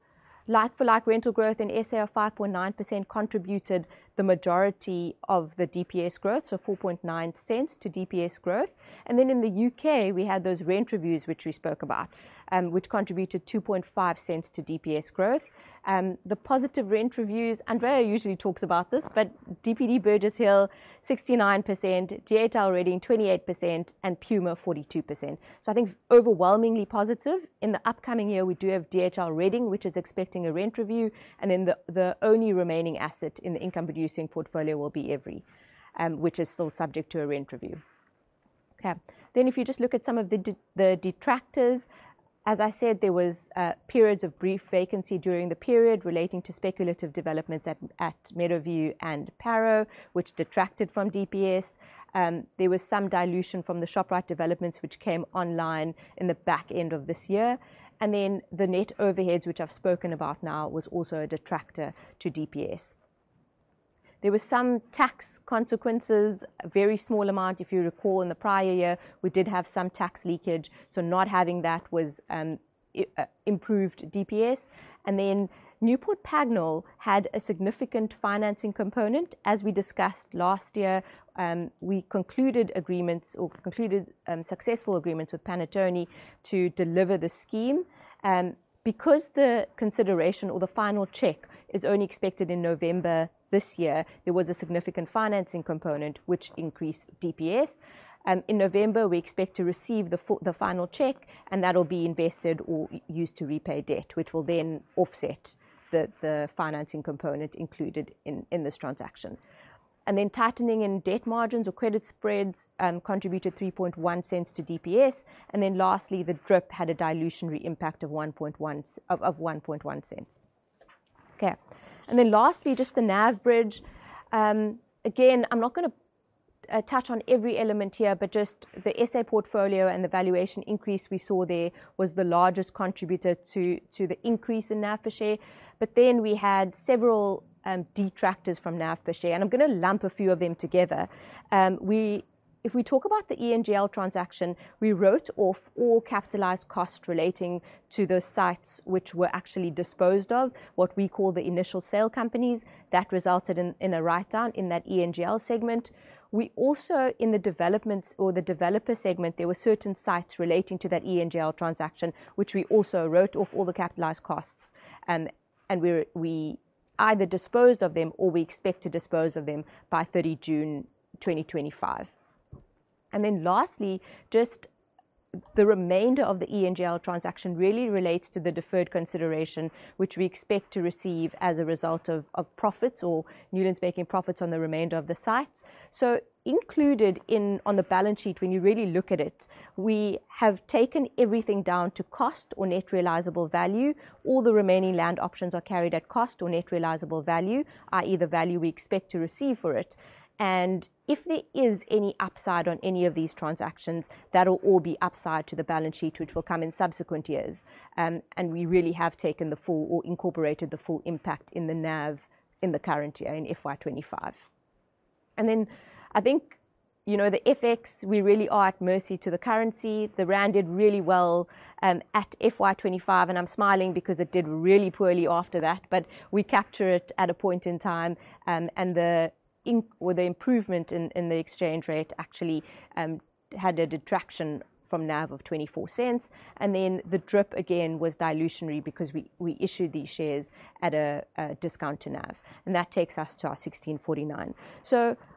Speaker 3: like-for-like rental growth in S.A. of 5.9% contributed the majority of the DPS growth, so 0.049 to DPS growth. In the U.K. we had those rent reviews which we spoke about, which contributed 0.025 to DPS growth. The positive rent reviews, Andrea usually talks about this, but DPD Burgess Hill 69%, DHL Reading 28%, and Puma 42%. I think overwhelmingly positive. In the upcoming year, we do have DHL Reading, which is expecting a rent review, and then the only remaining asset in the income producing portfolio will be Evri, which is still subject to a rent review. Okay. If you just look at some of the detractors, as I said, there was periods of brief vacancy during the period relating to speculative developments at Meadowview and Parow, which detracted from DPS. There was some dilution from the Shoprite developments which came online in the back end of this year. The net overheads, which I've spoken about now, was also a detractor to DPS. There was some tax consequences, a very small amount. If you recall in the prior year, we did have some tax leakage, so not having that improved DPS. Newport Pagnell had a significant financing component. As we discussed last year, we concluded successful agreements with Panattoni to deliver the scheme. Because the consideration or the final check is only expected in November this year, there was a significant financing component which increased DPS. In November, we expect to receive the final check, and that will be invested or used to repay debt, which will then offset the financing component included in this transaction. Tightening in debt margins or credit spreads contributed 03.1 to DPS. Lastly, the DRIP had a dilutory impact of 0.011. Okay. Lastly, just the NAV bridge. Again, I'm not gonna touch on every element here, but just the S.A. portfolio and the valuation increase we saw there was the largest contributor to the increase in NAV per share. We had several detractors from NAV per share, and I'm gonna lump a few of them together. If we talk about the E+GL transaction, we wrote off all capitalized costs relating to those sites which were actually disposed of, what we call the initial sale companies. That resulted in a write-down in that E+GL segment. We also, in the developments or the developer segment, there were certain sites relating to that E+GL transaction, which we also wrote off all the capitalized costs. We either disposed of them, or we expect to dispose of them by June 30, 2025. Then lastly, just the remainder of the E+GL transaction really relates to the deferred consideration, which we expect to receive as a result of profits or Newlands making profits on the remainder of the sites. Included in, on the balance sheet when you really look at it, we have taken everything down to cost or net realizable value. All the remaining land options are carried at cost or net realizable value, i.e., the value we expect to receive for it. If there is any upside on any of these transactions, that'll all be upside to the balance sheet, which will come in subsequent years. We really have incorporated the full impact in the NAV in the current year, in FY 2025. I think, you know, the FX, we really are at mercy to the currency. The rand did really well at FY 2025, and I'm smiling because it did really poorly after that. We capture it at a point in time, and the improvement in the exchange rate actually had a detraction from NAV of 0.24. The DRIP again was dilutionary because we issued these shares at a discount to NAV, and that takes us to our 16.49.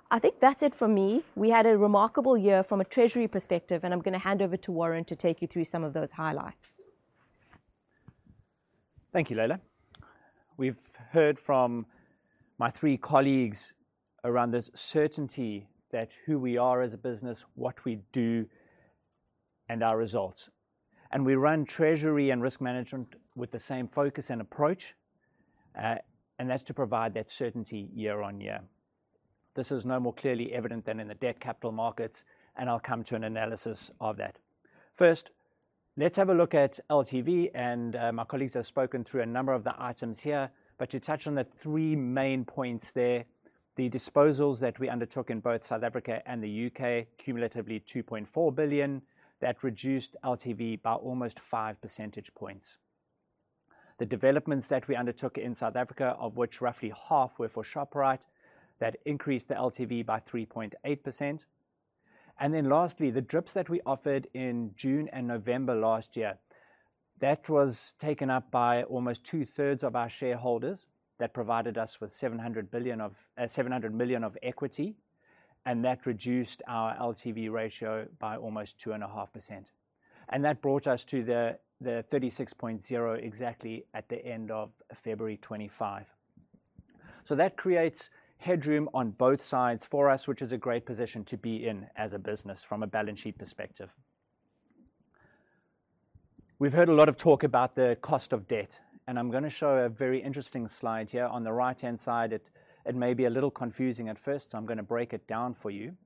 Speaker 3: I think that's it for me. We had a remarkable year from a treasury perspective, and I'm gonna hand over to Warren to take you through some of those highlights.
Speaker 4: Thank you, Laila. We've heard from my three colleagues around this certainty that who we are as a business, what we do, and our results. We run treasury and risk management with the same focus and approach, and that's to provide that certainty year on year. This is no more clearly evident than in the debt capital markets, and I'll come to an analysis of that. First, let's have a look at LTV, and, my colleagues have spoken through a number of the items here, but to touch on the three main points there, the disposals that we undertook in both South Africa and the U.K., cumulatively 2.4 billion, that reduced LTV by almost five percentage points. The developments that we undertook in South Africa, of which roughly half were for Shoprite, that increased the LTV by 3.8%. Lastly, the DRIPs that we offered in June and November last year, that was taken up by almost 2/3 of our shareholders. That provided us with 700 million of equity, and that reduced our LTV ratio by almost 2.5%. That brought us to the 36.0% exactly at the end of February 2025. That creates headroom on both sides for us, which is a great position to be in as a business from a balance sheet perspective. We've heard a lot of talk about the cost of debt, and I'm gonna show a very interesting slide here on the right-hand side. It may be a little confusing at first, so I'm gonna break it down for you.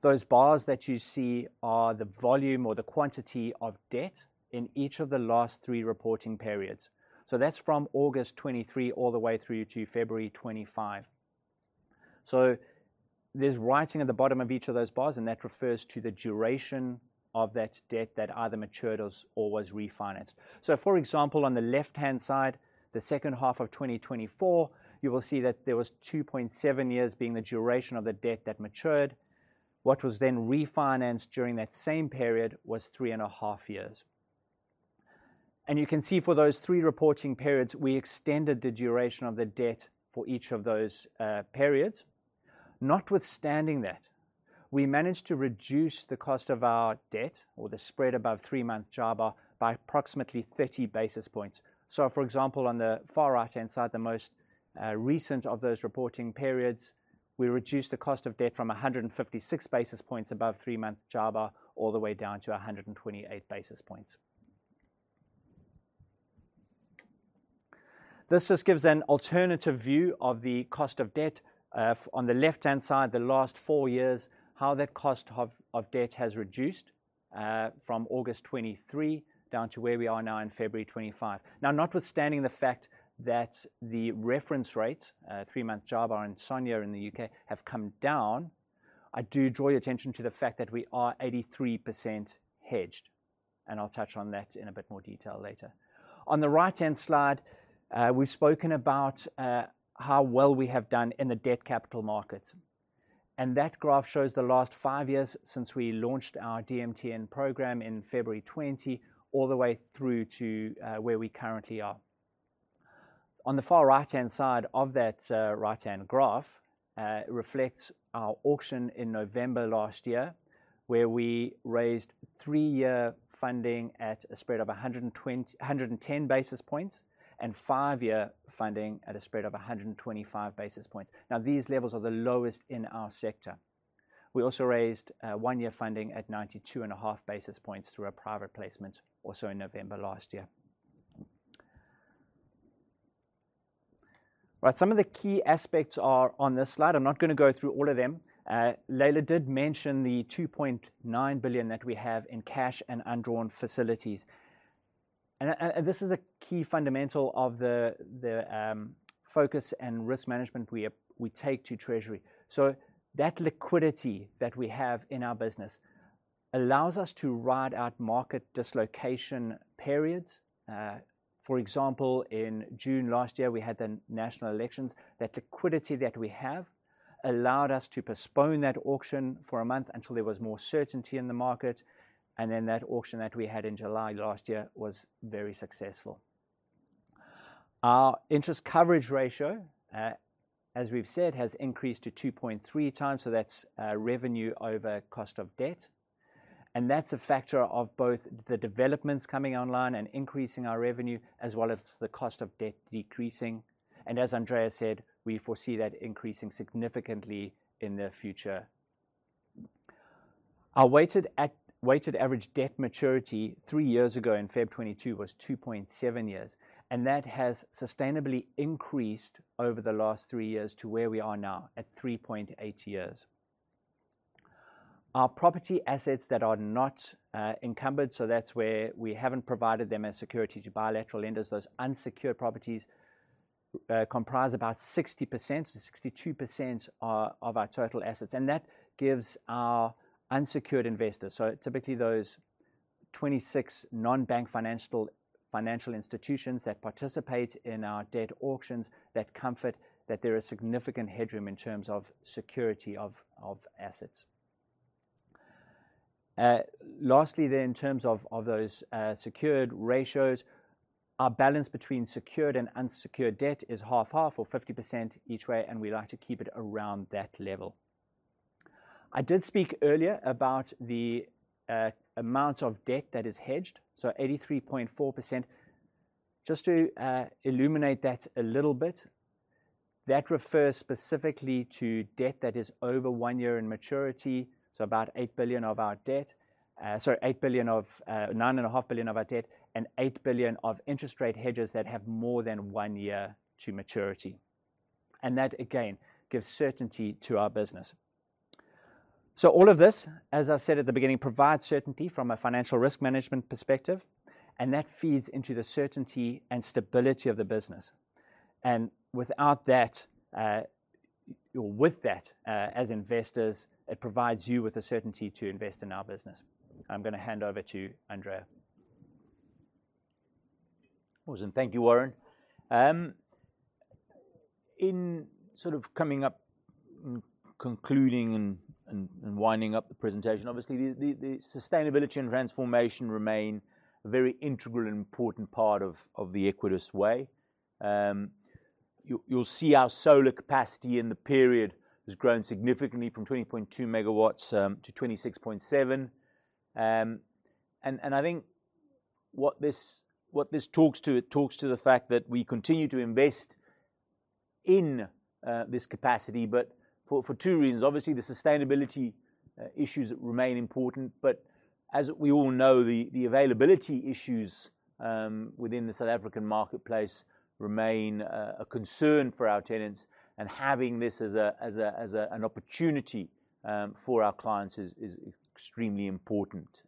Speaker 4: Those bars that you see are the volume or the quantity of debt in each of the last three reporting periods. That's from August 2023 all the way through to February 2025. There's writing at the bottom of each of those bars, and that refers to the duration of that debt that either matured or was refinanced. For example, on the left-hand side, the second half of 2024, you will see that there was 2.7 years being the duration of the debt that matured. What was then refinanced during that same period was 3.5 years. You can see for those three reporting periods, we extended the duration of the debt for each of those periods. Notwithstanding that, we managed to reduce the cost of our debt or the spread above three-month JIBAR by approximately 30 basis points. For example, on the far right-hand side, the most recent of those reporting periods, we reduced the cost of debt from 156 basis points above three-month JIBAR all the way down to 128 basis points. This just gives an alternative view of the cost of debt. On the left-hand side, over the last four years, how that cost of debt has reduced from August 2023 down to where we are now in February 2025. Notwithstanding the fact that the reference rates, three-month JIBAR and SONIA in the U.K. have come down, I do draw your attention to the fact that we are 83% hedged, and I'll touch on that in a bit more detail later. On the right-hand slide, we've spoken about how well we have done in the debt capital markets. That graph shows the last five years since we launched our DMTN program in February 2020, all the way through to where we currently are. On the far right-hand side of that right-hand graph reflects our auction in November last year, where we raised three-year funding at a spread of 110 basis points and five-year funding at a spread of 125 basis points. Now, these levels are the lowest in our sector. We also raised one-year funding at 92.5 basis points through a private placement also in November last year. Right. Some of the key aspects are on this slide. I'm not gonna go through all of them. Laila did mention the 2.9 billion that we have in cash and undrawn facilities. This is a key fundamental of the focus and risk management we take to treasury. That liquidity that we have in our business allows us to ride out market dislocation periods. For example, in June last year, we had the national elections. That liquidity that we have allowed us to postpone that auction for a month until there was more certainty in the market, and then that auction that we had in July last year was very successful. Our interest coverage ratio, as we've said, has increased to 2.3x, so that's revenue over cost of debt. That's a factor of both the developments coming online and increasing our revenue, as well as the cost of debt decreasing. As Andrea said, we foresee that increasing significantly in the future. Our weighted average debt maturity three years ago in February 2022 was 2.7 years, and that has sustainably increased over the last three years to where we are now at 3.8 years. Our property assets that are not encumbered, so that's where we haven't provided them as security to bilateral lenders. Those unsecured properties comprise about 60%-62% of our total assets, and that gives our unsecured investors, so typically those 26 non-bank financial institutions that participate in our debt auctions, that comfort that there is significant headroom in terms of security of assets. Lastly, in terms of those secured ratios, our balance between secured and unsecured debt is half/half or 50% each way, and we like to keep it around that level. I did speak earlier about the amount of debt that is hedged, so 83.4%. Just to illuminate that a little bit, that refers specifically to debt that is over one year in maturity, so about 8 billion of our debt, 8 billion of 9.5 billion of our debt and 8 billion of interest rate hedges that have more than one year to maturity. That, again, gives certainty to our business. All of this, as I've said at the beginning, provides certainty from a financial risk management perspective, and that feeds into the certainty and stability of the business. Without that, or with that, as investors, it provides you with the certainty to invest in our business. I'm gonna hand over to Andrea.
Speaker 1: Awesome. Thank you, Warren. In sort of coming up, concluding and winding up the presentation, obviously, the sustainability and transformation remain a very integral and important part of the Equites way. You'll see our solar capacity in the period has grown significantly from 20.2 MW to 26.7 MW. I think what this talks to, it talks to the fact that we continue to invest in this capacity, but for two reasons. Obviously, the sustainability issues remain important, but as we all know, the availability issues within the South African marketplace remain a concern for our tenants, and having this as an opportunity for our clients is extremely important.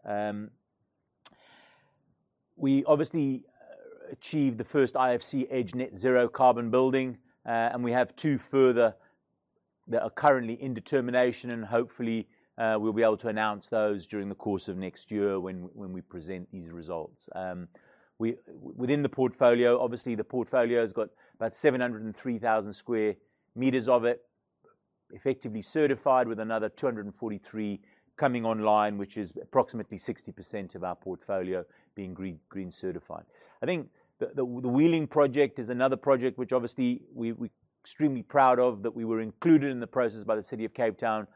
Speaker 1: We obviously achieved the first IFC EDGE net zero carbon building, and we have two further that are currently in determination and hopefully we'll be able to announce those during the course of next year when we present these results. Within the portfolio, obviously the portfolio has got about 703,000 sq m of it effectively certified with another 243 coming online, which is approximately 60% of our portfolio being green certified. I think the wheeling project is another project which obviously we're extremely proud of, that we were included in the process by the City of Cape Town.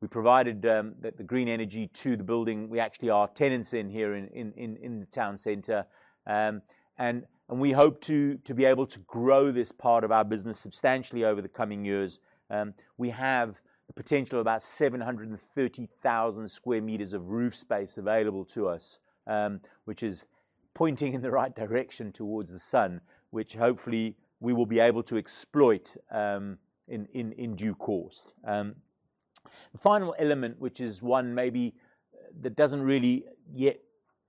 Speaker 1: We provided the green energy to the building. We actually are tenants in here in the town center. We hope to be able to grow this part of our business substantially over the coming years. We have the potential of about 730,000 sq m of roof space available to us, which is pointing in the right direction towards the sun, which hopefully we will be able to exploit in due course. The final element, which is one maybe that doesn't really yet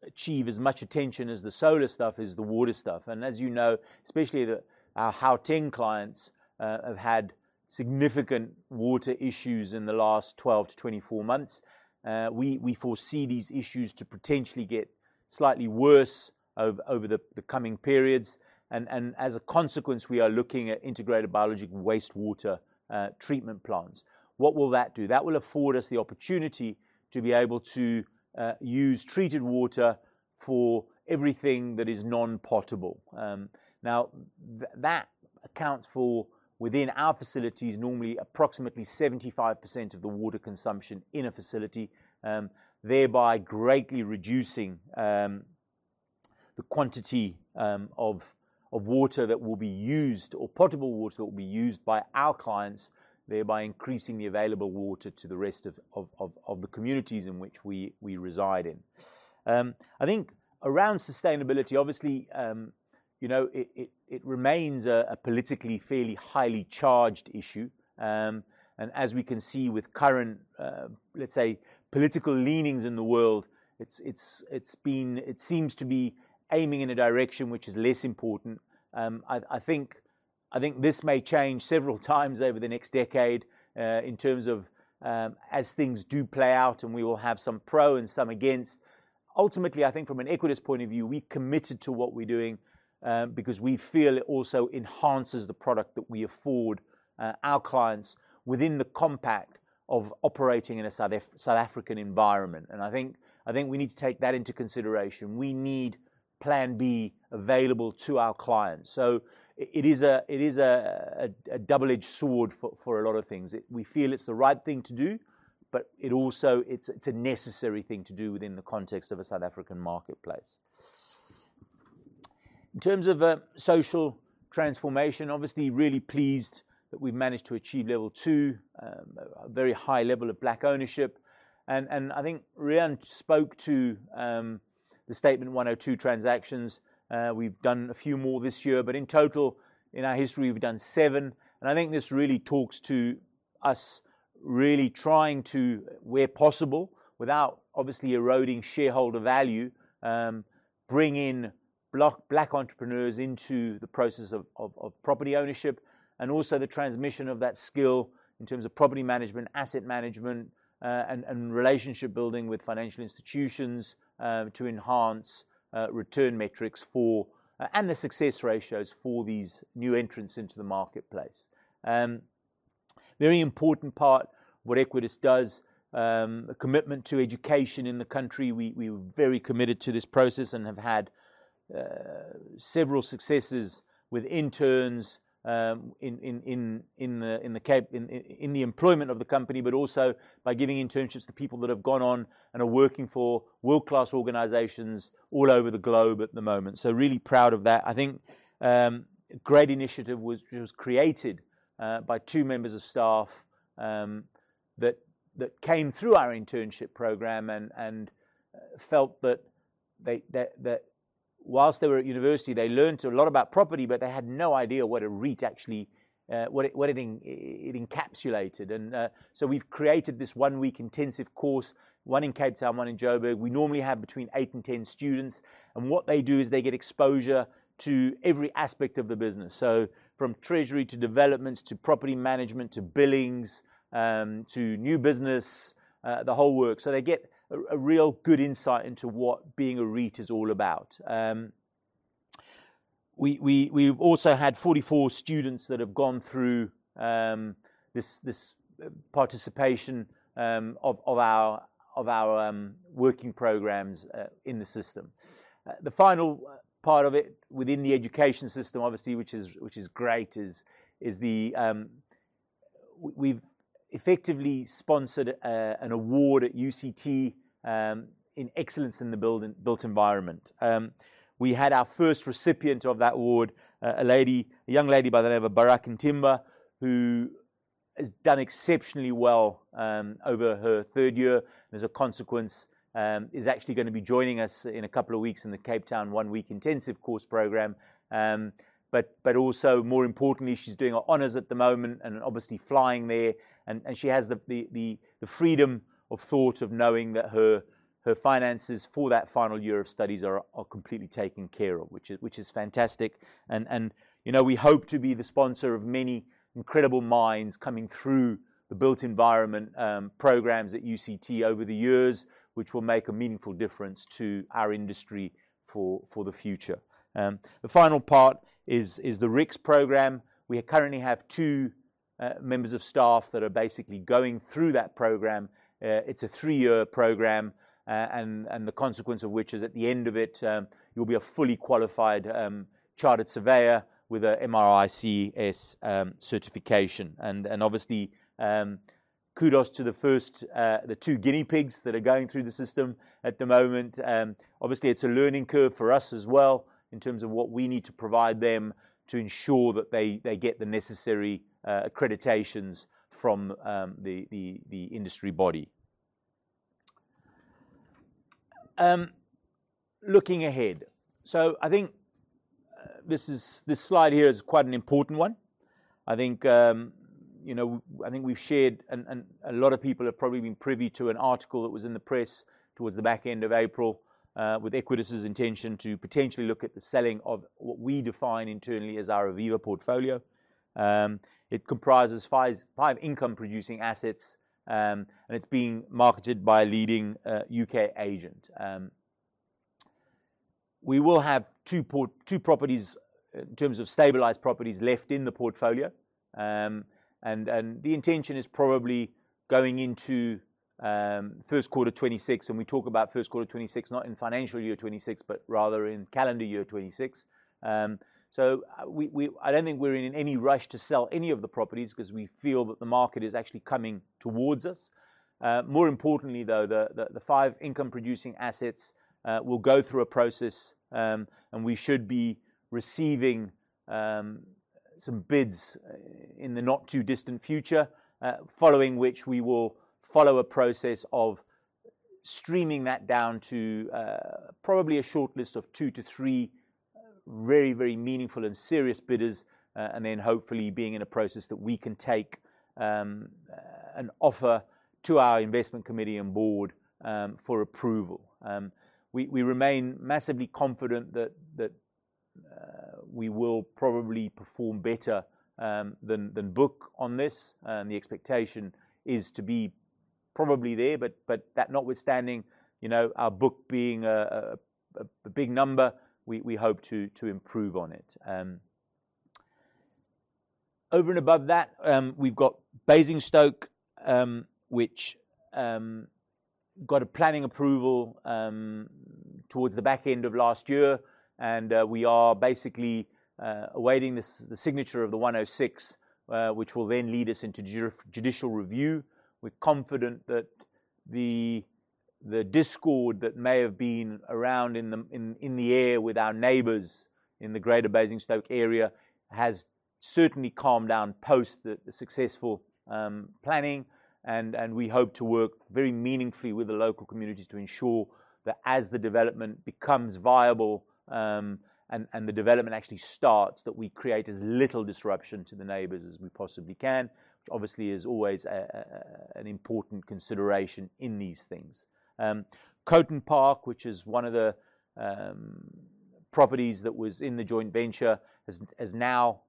Speaker 1: achieve as much attention as the solar stuff is the water stuff. As you know, especially our Gauteng clients have had significant water issues in the last 12-24 months. We foresee these issues to potentially get slightly worse over the coming periods. As a consequence, we are looking at integrated biological wastewater treatment plants. What will that do? That will afford us the opportunity to be able to use treated water for everything that is non-potable. Now, that accounts for within our facilities, normally approximately 75% of the water consumption in a facility, thereby greatly reducing the quantity of water that will be used or potable water that will be used by our clients, thereby increasing the available water to the rest of the communities in which we reside in. I think around sustainability, obviously, you know, it remains a politically fairly highly charged issue. As we can see with current, let's say, political leanings in the world, it seems to be aiming in a direction which is less important. I think this may change several times over the next decade, in terms of, as things do play out and we will have some pro and some against. Ultimately, I think from an Equites point of view, we're committed to what we're doing, because we feel it also enhances the product that we afford, our clients within the context of operating in a South African environment. I think we need to take that into consideration. We need plan B available to our clients. It is a double-edged sword for a lot of things. We feel it's the right thing to do, but it's also a necessary thing to do within the context of a South African marketplace. In terms of social transformation, obviously really pleased that we've managed to achieve level two, a very high level of black ownership. I think Rian spoke to the Statement 102 transactions. We've done a few more this year, but in total, in our history, we've done seven. I think this really talks to us really trying to, where possible, without obviously eroding shareholder value, bring in black entrepreneurs into the process of property ownership and also the transmission of that skill in terms of property management, asset management, and relationship building with financial institutions to enhance return metrics for and the success ratios for these new entrants into the marketplace. Very important part, what Equites does, a commitment to education in the country. We're very committed to this process and have had several successes with interns in the employment of the company, but also by giving internships to people that have gone on and are working for world-class organizations all over the globe at the moment. Really proud of that. I think great initiative was created by two members of staff that came through our internship program and felt that whilst they were at university, they learned a lot about property, but they had no idea what a REIT actually encapsulated. We've created this one-week intensive course, one in Cape Town, one in Joburg. We normally have between eight and ten students. What they do is they get exposure to every aspect of the business. From treasury to developments, to property management, to billings, to new business, the whole work. They get a real good insight into what being a REIT is all about. We've also had 44 students that have gone through this participation of our working programs in the system. The final part of it within the education system, obviously, which is great, we've effectively sponsored an award at UCT in excellence in the built environment. We had our first recipient of that award, a lady, a young lady by the name of Baraka Ntimba, who has done exceptionally well over her third year. As a consequence, she is actually gonna be joining us in a couple of weeks in the Cape Town one-week intensive course program. But also more importantly, she's doing her honors at the moment and obviously flying there, and she has the freedom of thought of knowing that her finances for that final year of studies are completely taken care of, which is fantastic. You know, we hope to be the sponsor of many incredible minds coming through the built environment programs at UCT over the years, which will make a meaningful difference to our industry for the future. The final part is the RICS program. We currently have two members of staff that are basically going through that program. It's a three-year program, and the consequence of which is at the end of it, you'll be a fully qualified chartered surveyor with a MRICS certification. Obviously, kudos to the first two guinea pigs that are going through the system at the moment. Obviously, it's a learning curve for us as well in terms of what we need to provide them to ensure that they get the necessary accreditations from the industry body. Looking ahead. I think this slide here is quite an important one. I think, you know, I think we've shared, and a lot of people have probably been privy to an article that was in the press towards the back end of April, with Equites' intention to potentially look at the selling of what we define internally as our Aviva portfolio. It comprises five income producing assets, and it's being marketed by a leading U.K. agent. We will have two properties in terms of stabilized properties left in the portfolio. The intention is probably going into first quarter 2026, and we talk about first quarter 2026, not in financial year 2026, but rather in calendar year 2026. We don't think we're in any rush to sell any of the properties because we feel that the market is actually coming towards us. More importantly, though, the five income producing assets will go through a process, and we should be receiving some bids in the not too distant future, following which we will follow a process of streaming that down to probably a shortlist of two to three very meaningful and serious bidders, and then hopefully being in a process that we can take an offer to our investment committee and board for approval. We remain massively confident that we will probably perform better than book on this, and the expectation is to be probably there. That notwithstanding, you know, our book being a big number, we hope to improve on it. Over and above that, we've got Basingstoke, which got a planning approval towards the back end of last year, and we are basically awaiting the signature of the Section 106, which will then lead us into judicial review. We're confident that the discord that may have been around in the air with our neighbors in the greater Basingstoke area has certainly calmed down post the successful planning. We hope to work very meaningfully with the local communities to ensure that as the development becomes viable, and the development actually starts, that we create as little disruption to the neighbors as we possibly can, which obviously is always an important consideration in these things. Coton Park, which is one of the properties that was in the joint venture, has now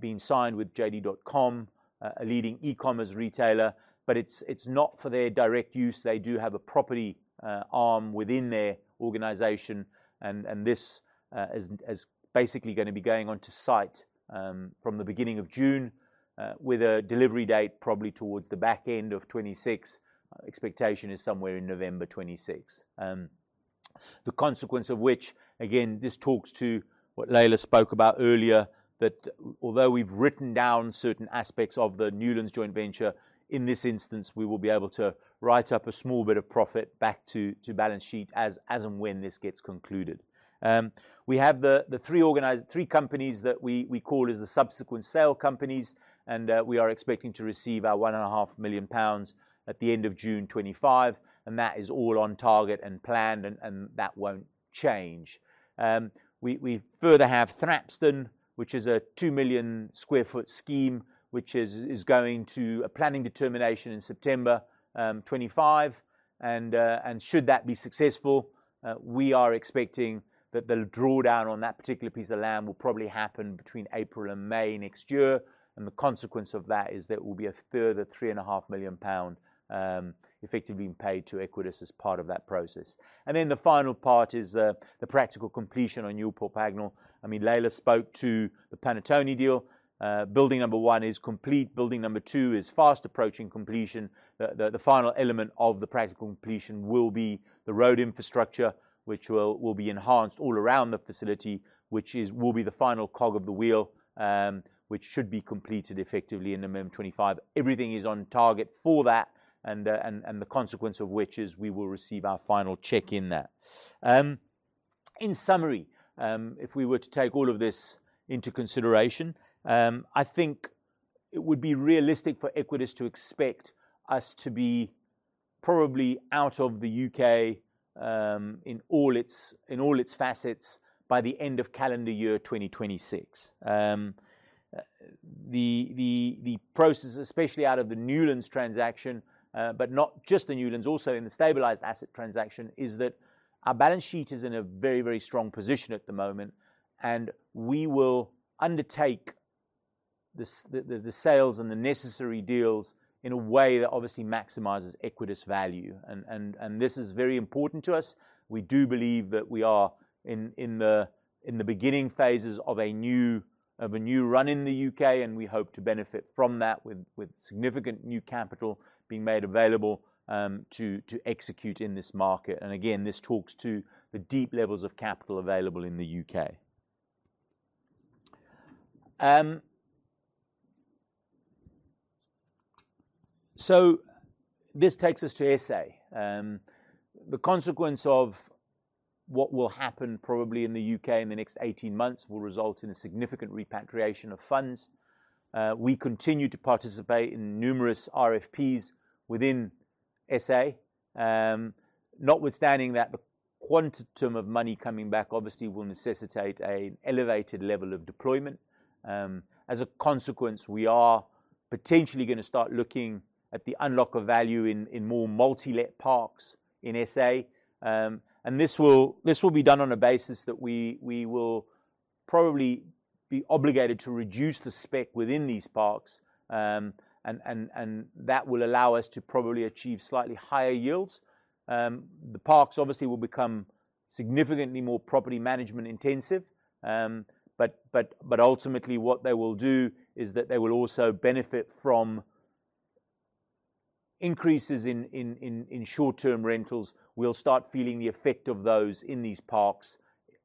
Speaker 1: been signed with JD.com, a leading e-commerce retailer, but it's not for their direct use. They do have a property arm within their organization, and this is basically gonna be going onto site from the beginning of June with a delivery date probably towards the back end of 2026. Expectation is somewhere in November 2026. The consequence of which, again, this talks to what Laila spoke about earlier, that although we've written down certain aspects of the Newlands joint venture, in this instance, we will be able to write up a small bit of profit back to balance sheet as and when this gets concluded. We have the three organized companies that we call the subsequent sale companies, and we are expecting to receive our 1.5 million pounds at the end of June 2025, and that is all on target and planned, and that won't change. We further have Thrapston, which is a 2 million sq ft scheme, which is going to a planning determination in September 2025, and should that be successful, we are expecting that the drawdown on that particular piece of land will probably happen between April and May next year. The consequence of that is there will be a further 3.5 million pound effectively being paid to Equites as part of that process. Then the final part is the practical completion on Newport Pagnell. I mean, Laila spoke to the Panattoni deal. Building one is complete. Building two is fast approaching completion. The final element of the practical completion will be the road infrastructure, which will be enhanced all around the facility, which will be the final cog of the wheel, which should be completed effectively in November 2025. Everything is on target for that, and the consequence of which is we will receive our final cheque there. In summary, if we were to take all of this into consideration, I think it would be realistic for Equites to expect us to be probably out of the U.K., in all its facets by the end of calendar year 2026. The process, especially out of the Newlands transaction, but not just the Newlands, also in the stabilized asset transaction, is that our balance sheet is in a very strong position at the moment, and we will undertake the sales and the necessary deals in a way that obviously maximizes Equites value and this is very important to us. We do believe that we are in the beginning phases of a new run in the U.K., and we hope to benefit from that with significant new capital being made available to execute in this market. Again, this talks to the deep levels of capital available in the U.K. This takes us to S.A. The consequence of what will happen probably in the U.K. in the next 18 months will result in a significant repatriation of funds. We continue to participate in numerous RFPs within S.A. Notwithstanding that, the quantum of money coming back obviously will necessitate an elevated level of deployment. As a consequence, we are potentially going to start looking at the unlock of value in more multi-let parks in S.A. This will be done on a basis that we will probably be obligated to reduce the spec within these parks. That will allow us to probably achieve slightly higher yields. The parks obviously will become significantly more property management intensive. Ultimately, what they will do is that they will also benefit from increases in short-term rentals. We'll start feeling the effect of those in these parks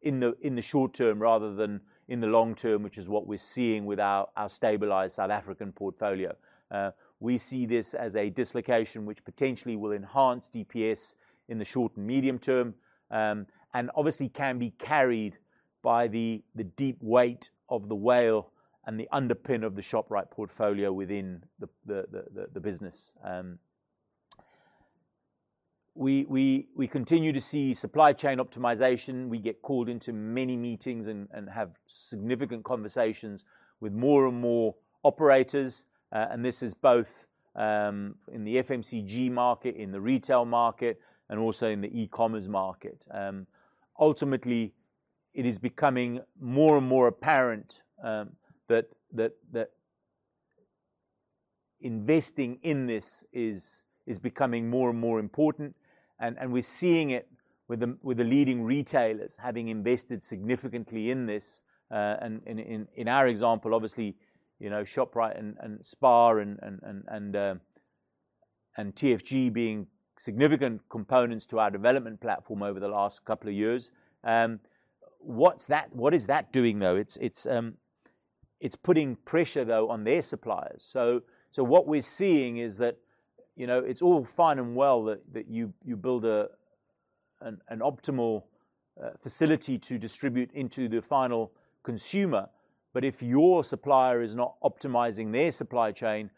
Speaker 1: in the short term rather than in the long term, which is what we're seeing with our stabilized South African portfolio. We see this as a dislocation which potentially will enhance DPS in the short and medium term and obviously can be carried by the deep weight of the WALE and the underpin of the Shoprite portfolio within the business. We continue to see supply chain optimization. We get called into many meetings and have significant conversations with more and more operators. This is both in the FMCG market, in the retail market, and also in the e-commerce market. Ultimately, it is becoming more and more apparent that investing in this is becoming more and more important. We're seeing it with the leading retailers having invested significantly in this. In our example, obviously, you know, Shoprite and SPAR and TFG being significant components to our development platform over the last couple of years. What is that doing, though? It's putting pressure, though, on their suppliers. What we're seeing is that, you know, it's all fine and well that you build an optimal facility to distribute into the final consumer. If your supplier is not optimizing their supply chain,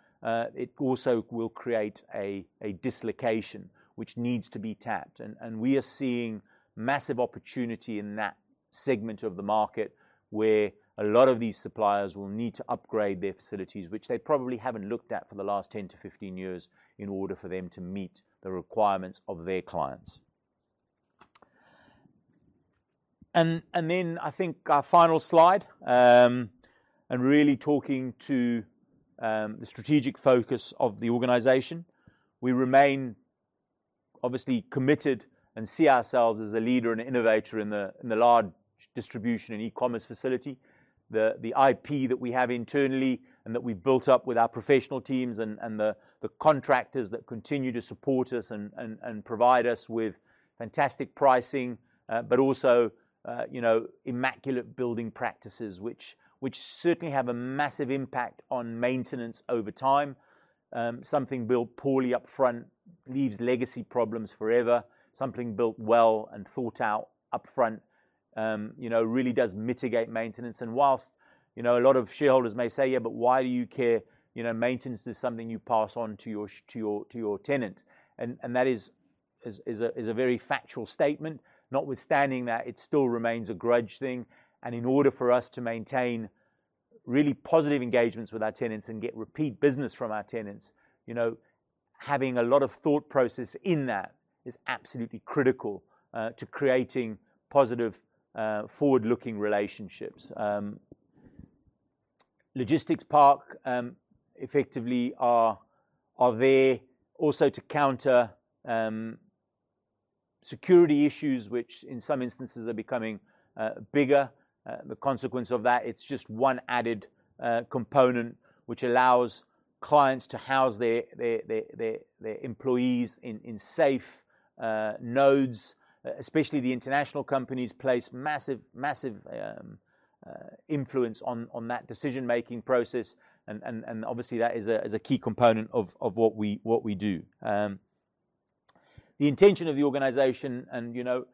Speaker 1: it also will create a dislocation which needs to be tapped. We are seeing massive opportunity in that segment of the market where a lot of these suppliers will need to upgrade their facilities, which they probably haven't looked at for the last 10 to 15 years in order for them to meet the requirements of their clients. I think our final slide and really talking to the strategic focus of the organization. We remain obviously committed and see ourselves as a leader and innovator in the large distribution and e-commerce facility. The IP that we have internally and that we've built up with our professional teams and the contractors that continue to support us and provide us with fantastic pricing, but also, you know, immaculate building practices, which certainly have a massive impact on maintenance over time. Something built poorly up-front leaves legacy problems forever. Something built well and thought out up-front, you know, really does mitigate maintenance. Whilst, you know, a lot of shareholders may say, yeah, but why do you care? You know, maintenance is something you pass on to your tenant. That is a very factual statement. Notwithstanding that, it still remains a grudge thing. In order for us to maintain really positive engagements with our tenants and get repeat business from our tenants, you know, having a lot of thought process in that is absolutely critical to creating positive forward-looking relationships. Logistics parks effectively are there also to counter security issues, which in some instances are becoming bigger. The consequence of that, it's just one added component which allows clients to house their employees in safe nodes. Especially the international companies place massive influence on that decision-making process. Obviously, that is a key component of what we do. The intention of the organization, and, you know,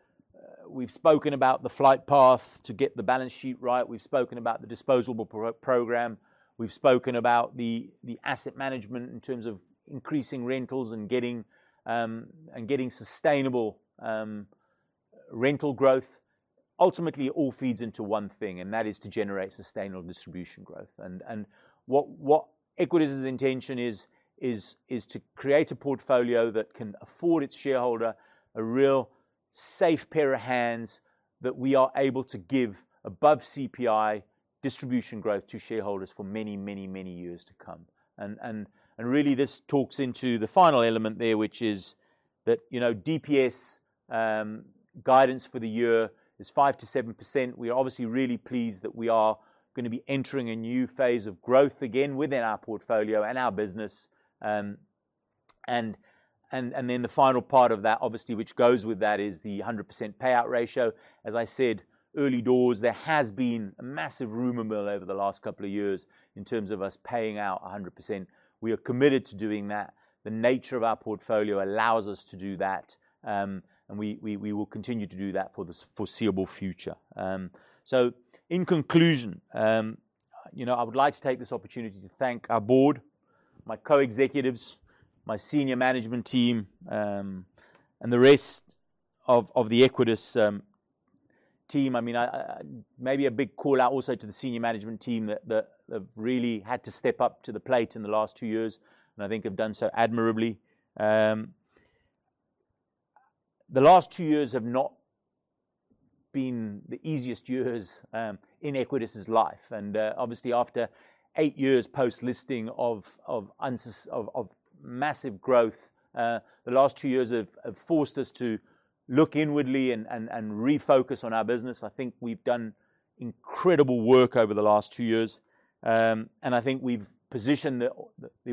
Speaker 1: we've spoken about the flight path to get the balance sheet right. We've spoken about the disposable program. We've spoken about the asset management in terms of increasing rentals and getting sustainable rental growth. Ultimately, it all feeds into one thing, and that is to generate sustainable distribution growth. What Equites' intention is to create a portfolio that can afford its shareholder a real safe pair of hands that we are able to give above CPI distribution growth to shareholders for many, many, many years to come. Really this talks into the final element there, which is that, you know, DPS guidance for the year is 5%-7%. We are obviously really pleased that we are going to be entering a new phase of growth again within our portfolio and our business. Then the final part of that, obviously, which goes with that is the 100% payout ratio. As I said early doors, there has been a massive rumor mill over the last couple of years in terms of us paying out 100%. We are committed to doing that. The nature of our portfolio allows us to do that. We will continue to do that for the foreseeable future. In conclusion, you know, I would like to take this opportunity to thank our board, my co-executives, my senior management team, and the rest of the Equites team. I mean, maybe a big call-out also to the senior management team that have really had to step up to the plate in the last two years, and I think have done so admirably. The last two years have not been the easiest years in Equites' life. Obviously, after eight years post-listing of massive growth, the last two years have forced us to look inwardly and refocus on our business. I think we've done incredible work over the last two years. I think we've positioned the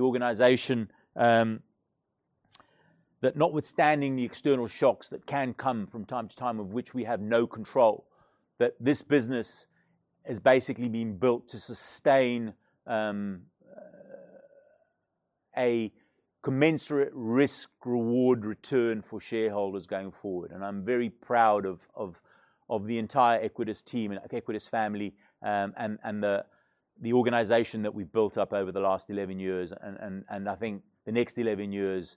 Speaker 1: organization that notwithstanding the external shocks that can come from time to time, of which we have no control, that this business has basically been built to sustain a commensurate risk/reward return for shareholders going forward. I'm very proud of the entire Equites team and Equites family, and the organization that we've built up over the last 11 years. I think the next 11 years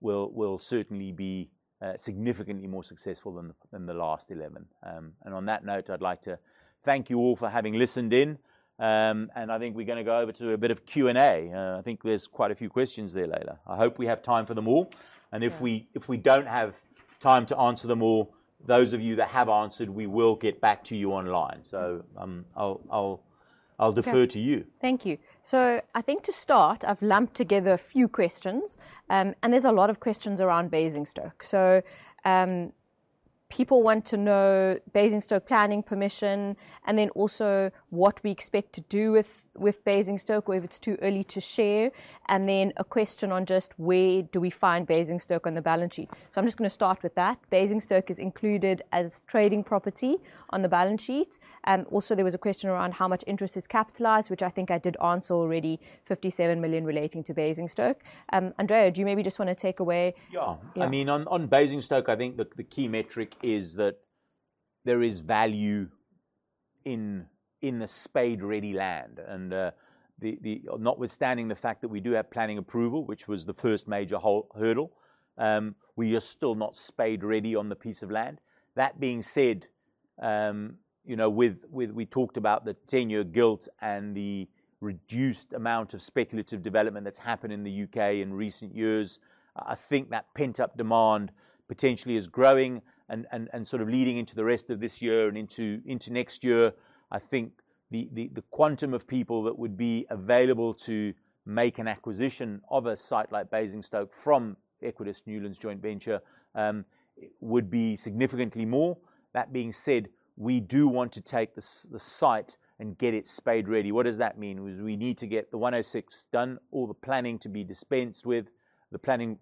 Speaker 1: will certainly be significantly more successful than the last 11. On that note, I'd like to thank you all for having listened in. I think we're gonna go over to a bit of Q&A. I think there's quite a few questions there, Laila. I hope we have time for them all.
Speaker 3: Yeah.
Speaker 1: If we don't have time to answer them all, those of you that have answered, we will get back to you online.
Speaker 3: Mm.
Speaker 1: I'll defer to you.
Speaker 3: Okay. Thank you. I think to start, I've lumped together a few questions. There's a lot of questions around Basingstoke. People want to know Basingstoke planning permission, and then also what we expect to do with Basingstoke, whether it's too early to share, and then a question on just where do we find Basingstoke on the balance sheet. I'm just gonna start with that. Basingstoke is included as trading property on the balance sheet. Also, there was a question around how much interest is capitalized, which I think I did answer already, 57 million relating to Basingstoke. Andrea, do you maybe just wanna take away.
Speaker 1: Yeah
Speaker 3: Yeah.
Speaker 1: I mean, on Basingstoke, I think the key metric is that there is value in the spade-ready land. Notwithstanding the fact that we do have planning approval, which was the first major hurdle, we are still not spade ready on the piece of land. That being said, you know, we talked about the 10-year gilt and the reduced amount of speculative development that's happened in the U.K. in recent years. I think that pent-up demand potentially is growing and sort of leading into the rest of this year and into next year. I think the quantum of people that would be available to make an acquisition of a site like Basingstoke from Equites, Newlands' joint venture, would be significantly more. That being said, we do want to take the site and get it spade ready. What does that mean? We need to get the 106 done, all the planning to be dispensed with, the planning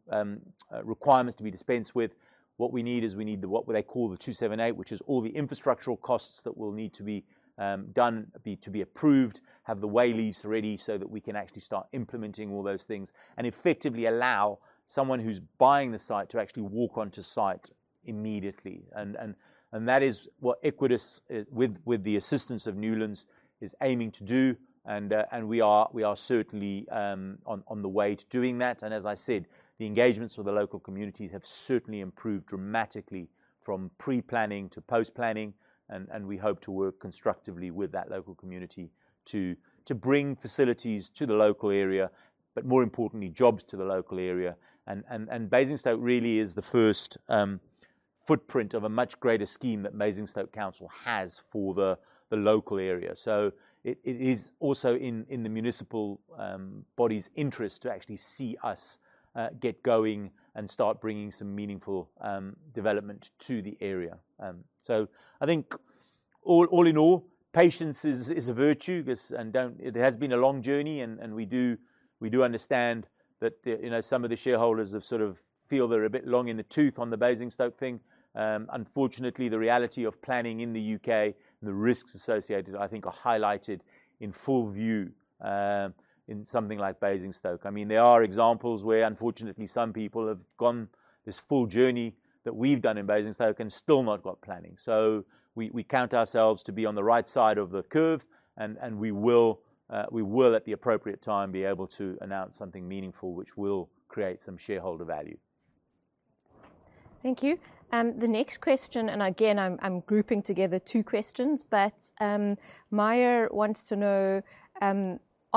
Speaker 1: requirements to be dispensed with. What we need is what they call the 278, which is all the infrastructural costs that will need to be done to be approved, have the wayleaves ready so that we can actually start implementing all those things. Effectively allow someone who's buying the site to actually walk onto site immediately. That is what Equites with the assistance of Newlands is aiming to do. We are certainly on the way to doing that. As I said, the engagements with the local communities have certainly improved dramatically from pre-planning to post-planning. We hope to work constructively with that local community to bring facilities to the local area, but more importantly, jobs to the local area. Basingstoke really is the first footprint of a much greater scheme that Basingstoke Council has for the local area. It is also in the municipal body's interest to actually see us get going and start bringing some meaningful development to the area. I think all in all, patience is a virtue. It has been a long journey, and we do understand that, you know, some of the shareholders have sort of feel they're a bit long in the tooth on the Basingstoke thing. Unfortunately, the reality of planning in the U.K. and the risks associated, I think, are highlighted in full view in something like Basingstoke. I mean, there are examples where, unfortunately, some people have gone this full journey that we've done in Basingstoke and still not got planning. We count ourselves to be on the right side of the curve, and we will at the appropriate time be able to announce something meaningful, which will create some shareholder value.
Speaker 3: Thank you. The next question, and again, I'm grouping together two questions. Meyer wants to know,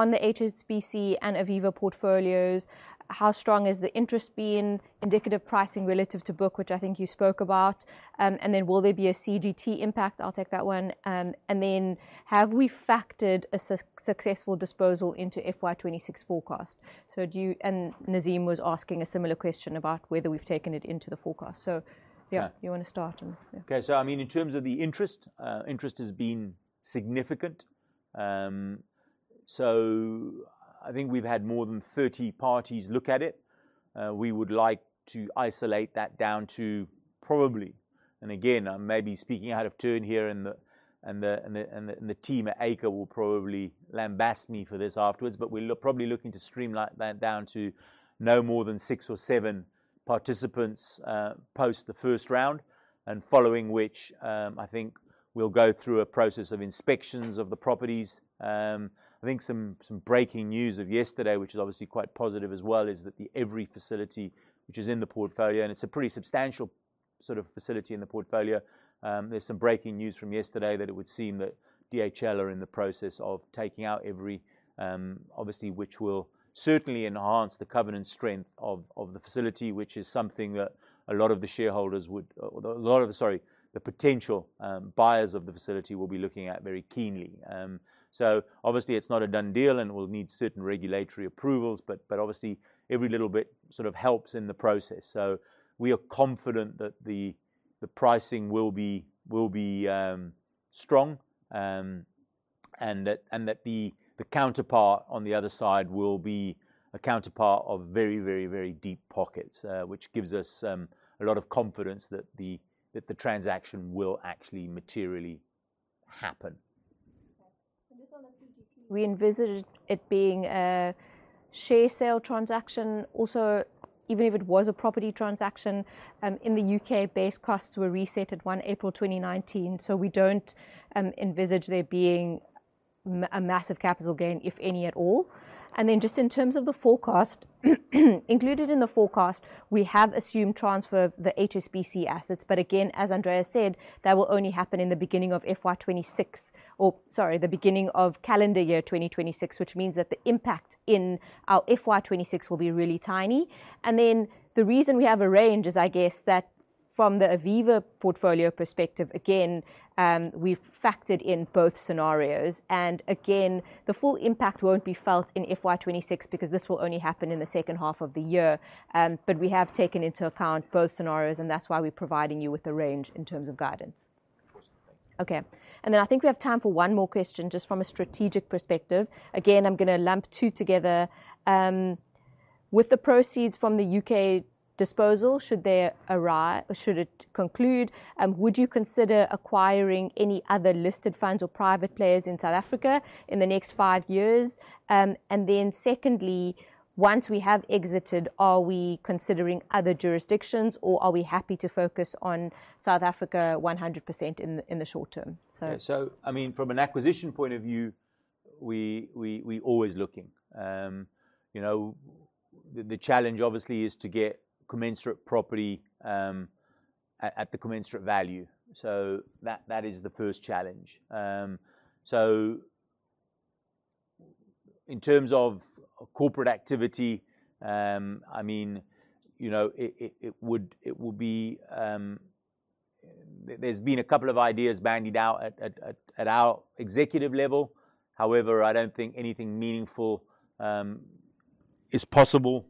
Speaker 3: on the HSBC and Aviva portfolios, how strong has the interest been, indicative pricing relative to book, which I think you spoke about. And then will there be a CGT impact? I'll take that one. And then have we factored a successful disposal into FY 2026 forecast? Do you... Nazim was asking a similar question about whether we've taken it into the forecast. Yeah.
Speaker 1: Yeah.
Speaker 3: You wanna start and yeah.
Speaker 1: Okay. I mean, in terms of the interest has been significant. I think we've had more than 30 parties look at it. We would like to isolate that down to probably. Again, I may be speaking out of turn here and the team at ACRE will probably lambast me for this afterwards. We'll probably looking to streamline that down to no more than six or seven participants post the first round. Following which, I think we'll go through a process of inspections of the properties. I think some breaking news of yesterday, which is obviously quite positive as well, is that the Evri facility, which is in the portfolio, and it's a pretty substantial sort of facility in the portfolio. There's some breaking news from yesterday that it would seem that DHL are in the process of taking out Evri, obviously, which will certainly enhance the covenant strength of the facility, which is something that the potential buyers of the facility will be looking at very keenly. Obviously, it's not a done deal, and we'll need certain regulatory approvals, but obviously every little bit sort of helps in the process. We are confident that the pricing will be strong, and that the counterpart on the other side will be a counterpart of very deep pockets, which gives us a lot of confidence that the transaction will actually materially happen.
Speaker 3: Okay. This one, let's see. GC. We envisaged it being a share sale transaction. Also, even if it was a property transaction, in the U.K., base costs were reset at 1 April 2019. We don't envisage there being a massive capital gain, if any, at all. Just in terms of the forecast, included in the forecast, we have assumed transfer of the HSBC assets. Again, as Andrea said, that will only happen in the beginning of FY 2026 or, sorry, the beginning of calendar year 2026, which means that the impact in our FY 2026 will be really tiny. The reason we have a range is, I guess, that from the Aviva portfolio perspective, again, we've factored in both scenarios. Again, the full impact won't be felt in FY 2026 because this will only happen in the second half of the year. We have taken into account both scenarios, and that's why we're providing you with a range in terms of guidance.
Speaker 1: Of course. Thanks.
Speaker 3: Okay. I think we have time for one more question, just from a strategic perspective. Again, I'm gonna lump two together. With the proceeds from the U.K. disposal, should there arrive, or should it conclude, would you consider acquiring any other listed funds or private players in South Africa in the next five years? And then secondly, once we have exited, are we considering other jurisdictions, or are we happy to focus on South Africa 100% in the short term?
Speaker 1: I mean, from an acquisition point of view, we always looking. You know, the challenge obviously is to get commensurate property at the commensurate value. That is the first challenge. In terms of corporate activity, I mean, you know, it would be, there's been a couple of ideas bandied about at our executive level. However, I don't think anything meaningful is possible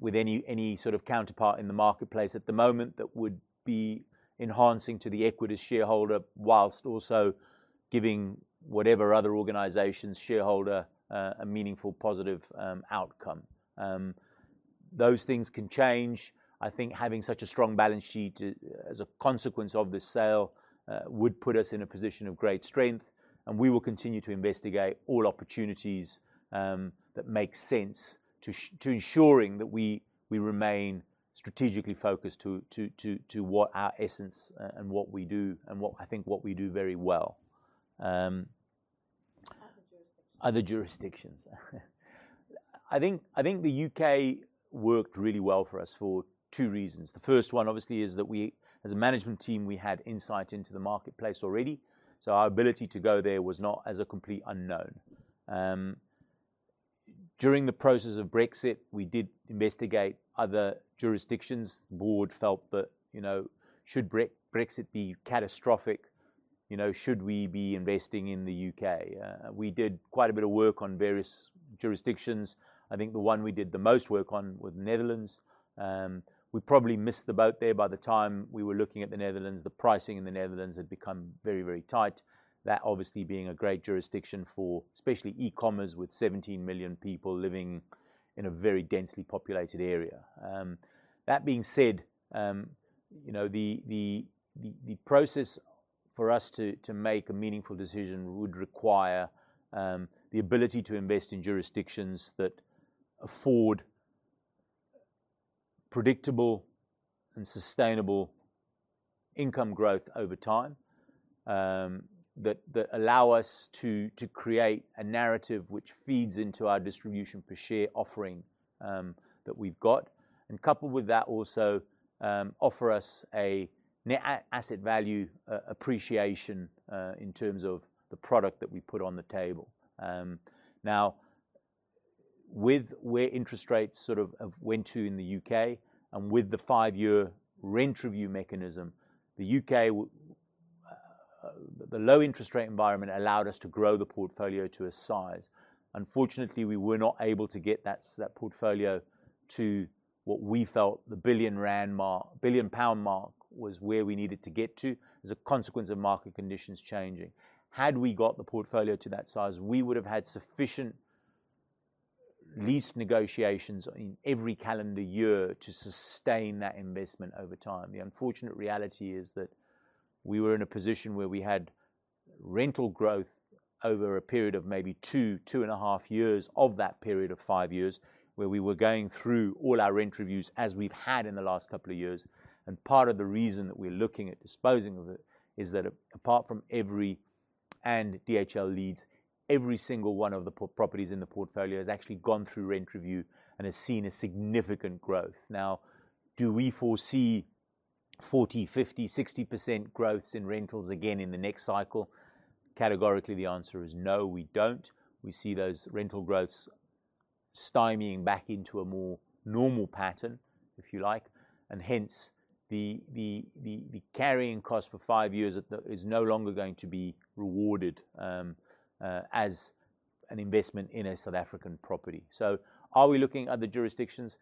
Speaker 1: with any sort of counterpart in the marketplace at the moment that would be enhancing to the Equites shareholder, while also giving whatever other organization's shareholder a meaningful positive outcome. Those things can change. I think having such a strong balance sheet, as a consequence of this sale, would put us in a position of great strength, and we will continue to investigate all opportunities that make sense to ensuring that we remain strategically focused to what our essence and what we do and what I think what we do very well.
Speaker 3: Other jurisdictions.
Speaker 1: Other jurisdictions. I think the U.K. worked really well for us for two reasons. The first one obviously is that we, as a management team, we had insight into the marketplace already, so our ability to go there was not as a complete unknown. During the process of Brexit, we did investigate other jurisdictions. The board felt that, you know, should Brexit be catastrophic, you know, should we be investing in the U.K.? We did quite a bit of work on various jurisdictions. I think the one we did the most work on was Netherlands. We probably missed the boat there. By the time we were looking at the Netherlands, the pricing in the Netherlands had become very, very tight. That obviously being a great jurisdiction for especially e-commerce, with 17 million people living in a very densely populated area. That being said, you know, the process for us to make a meaningful decision would require the ability to invest in jurisdictions that afford predictable and sustainable income growth over time. That allow us to create a narrative which feeds into our distribution per share offering that we've got. Coupled with that also offer us a net asset value appreciation in terms of the product that we put on the table. Now, with where interest rates sort of have went to in the U.K. and with the five-year rent review mechanism, the U.K. low-interest rate environment allowed us to grow the portfolio to a size. Unfortunately, we were not able to get that portfolio to what we felt the 1 billion rand mark. Billion pound mark was where we needed to get to as a consequence of market conditions changing. Had we got the portfolio to that size, we would have had sufficient lease negotiations in every calendar year to sustain that investment over time. The unfortunate reality is that we were in a position where we had rental growth over a period of maybe two and a half years of that period of five years, where we were going through all our rent reviews as we've had in the last couple of years, and part of the reason that we're looking at disposing of it is that apart from Evri and DHL Leeds, every single one of the properties in the portfolio has actually gone through rent review and has seen a significant growth. Now, do we foresee 40%, 50%, 60% growths in rentals again in the next cycle? Categorically, the answer is no, we don't. We see those rental growths stymieing back into a more normal pattern, if you like, and hence the carrying cost for five years at the is no longer going to be rewarded as an investment in a South African property. Are we looking at other jurisdictions?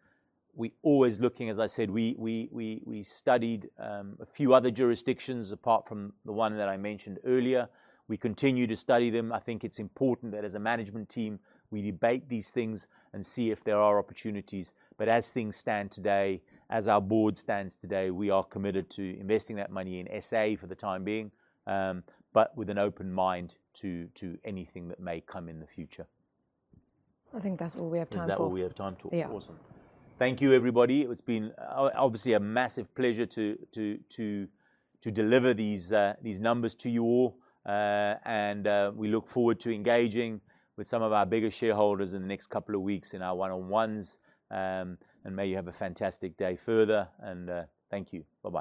Speaker 1: We're always looking. As I said, we studied a few other jurisdictions apart from the one that I mentioned earlier. We continue to study them. I think it's important that as a management team we debate these things and see if there are opportunities. As things stand today, as our board stands today, we are committed to investing that money in S.A. for the time being, but with an open mind to anything that may come in the future.
Speaker 3: I think that's all we have time for.
Speaker 1: Is that all we have time to?
Speaker 3: Yeah.
Speaker 1: Awesome. Thank you, everybody. It's been obviously a massive pleasure to deliver these numbers to you all. We look forward to engaging with some of our bigger shareholders in the next couple of weeks in our one-on-ones. May you have a fantastic day further and thank you. Bye-bye.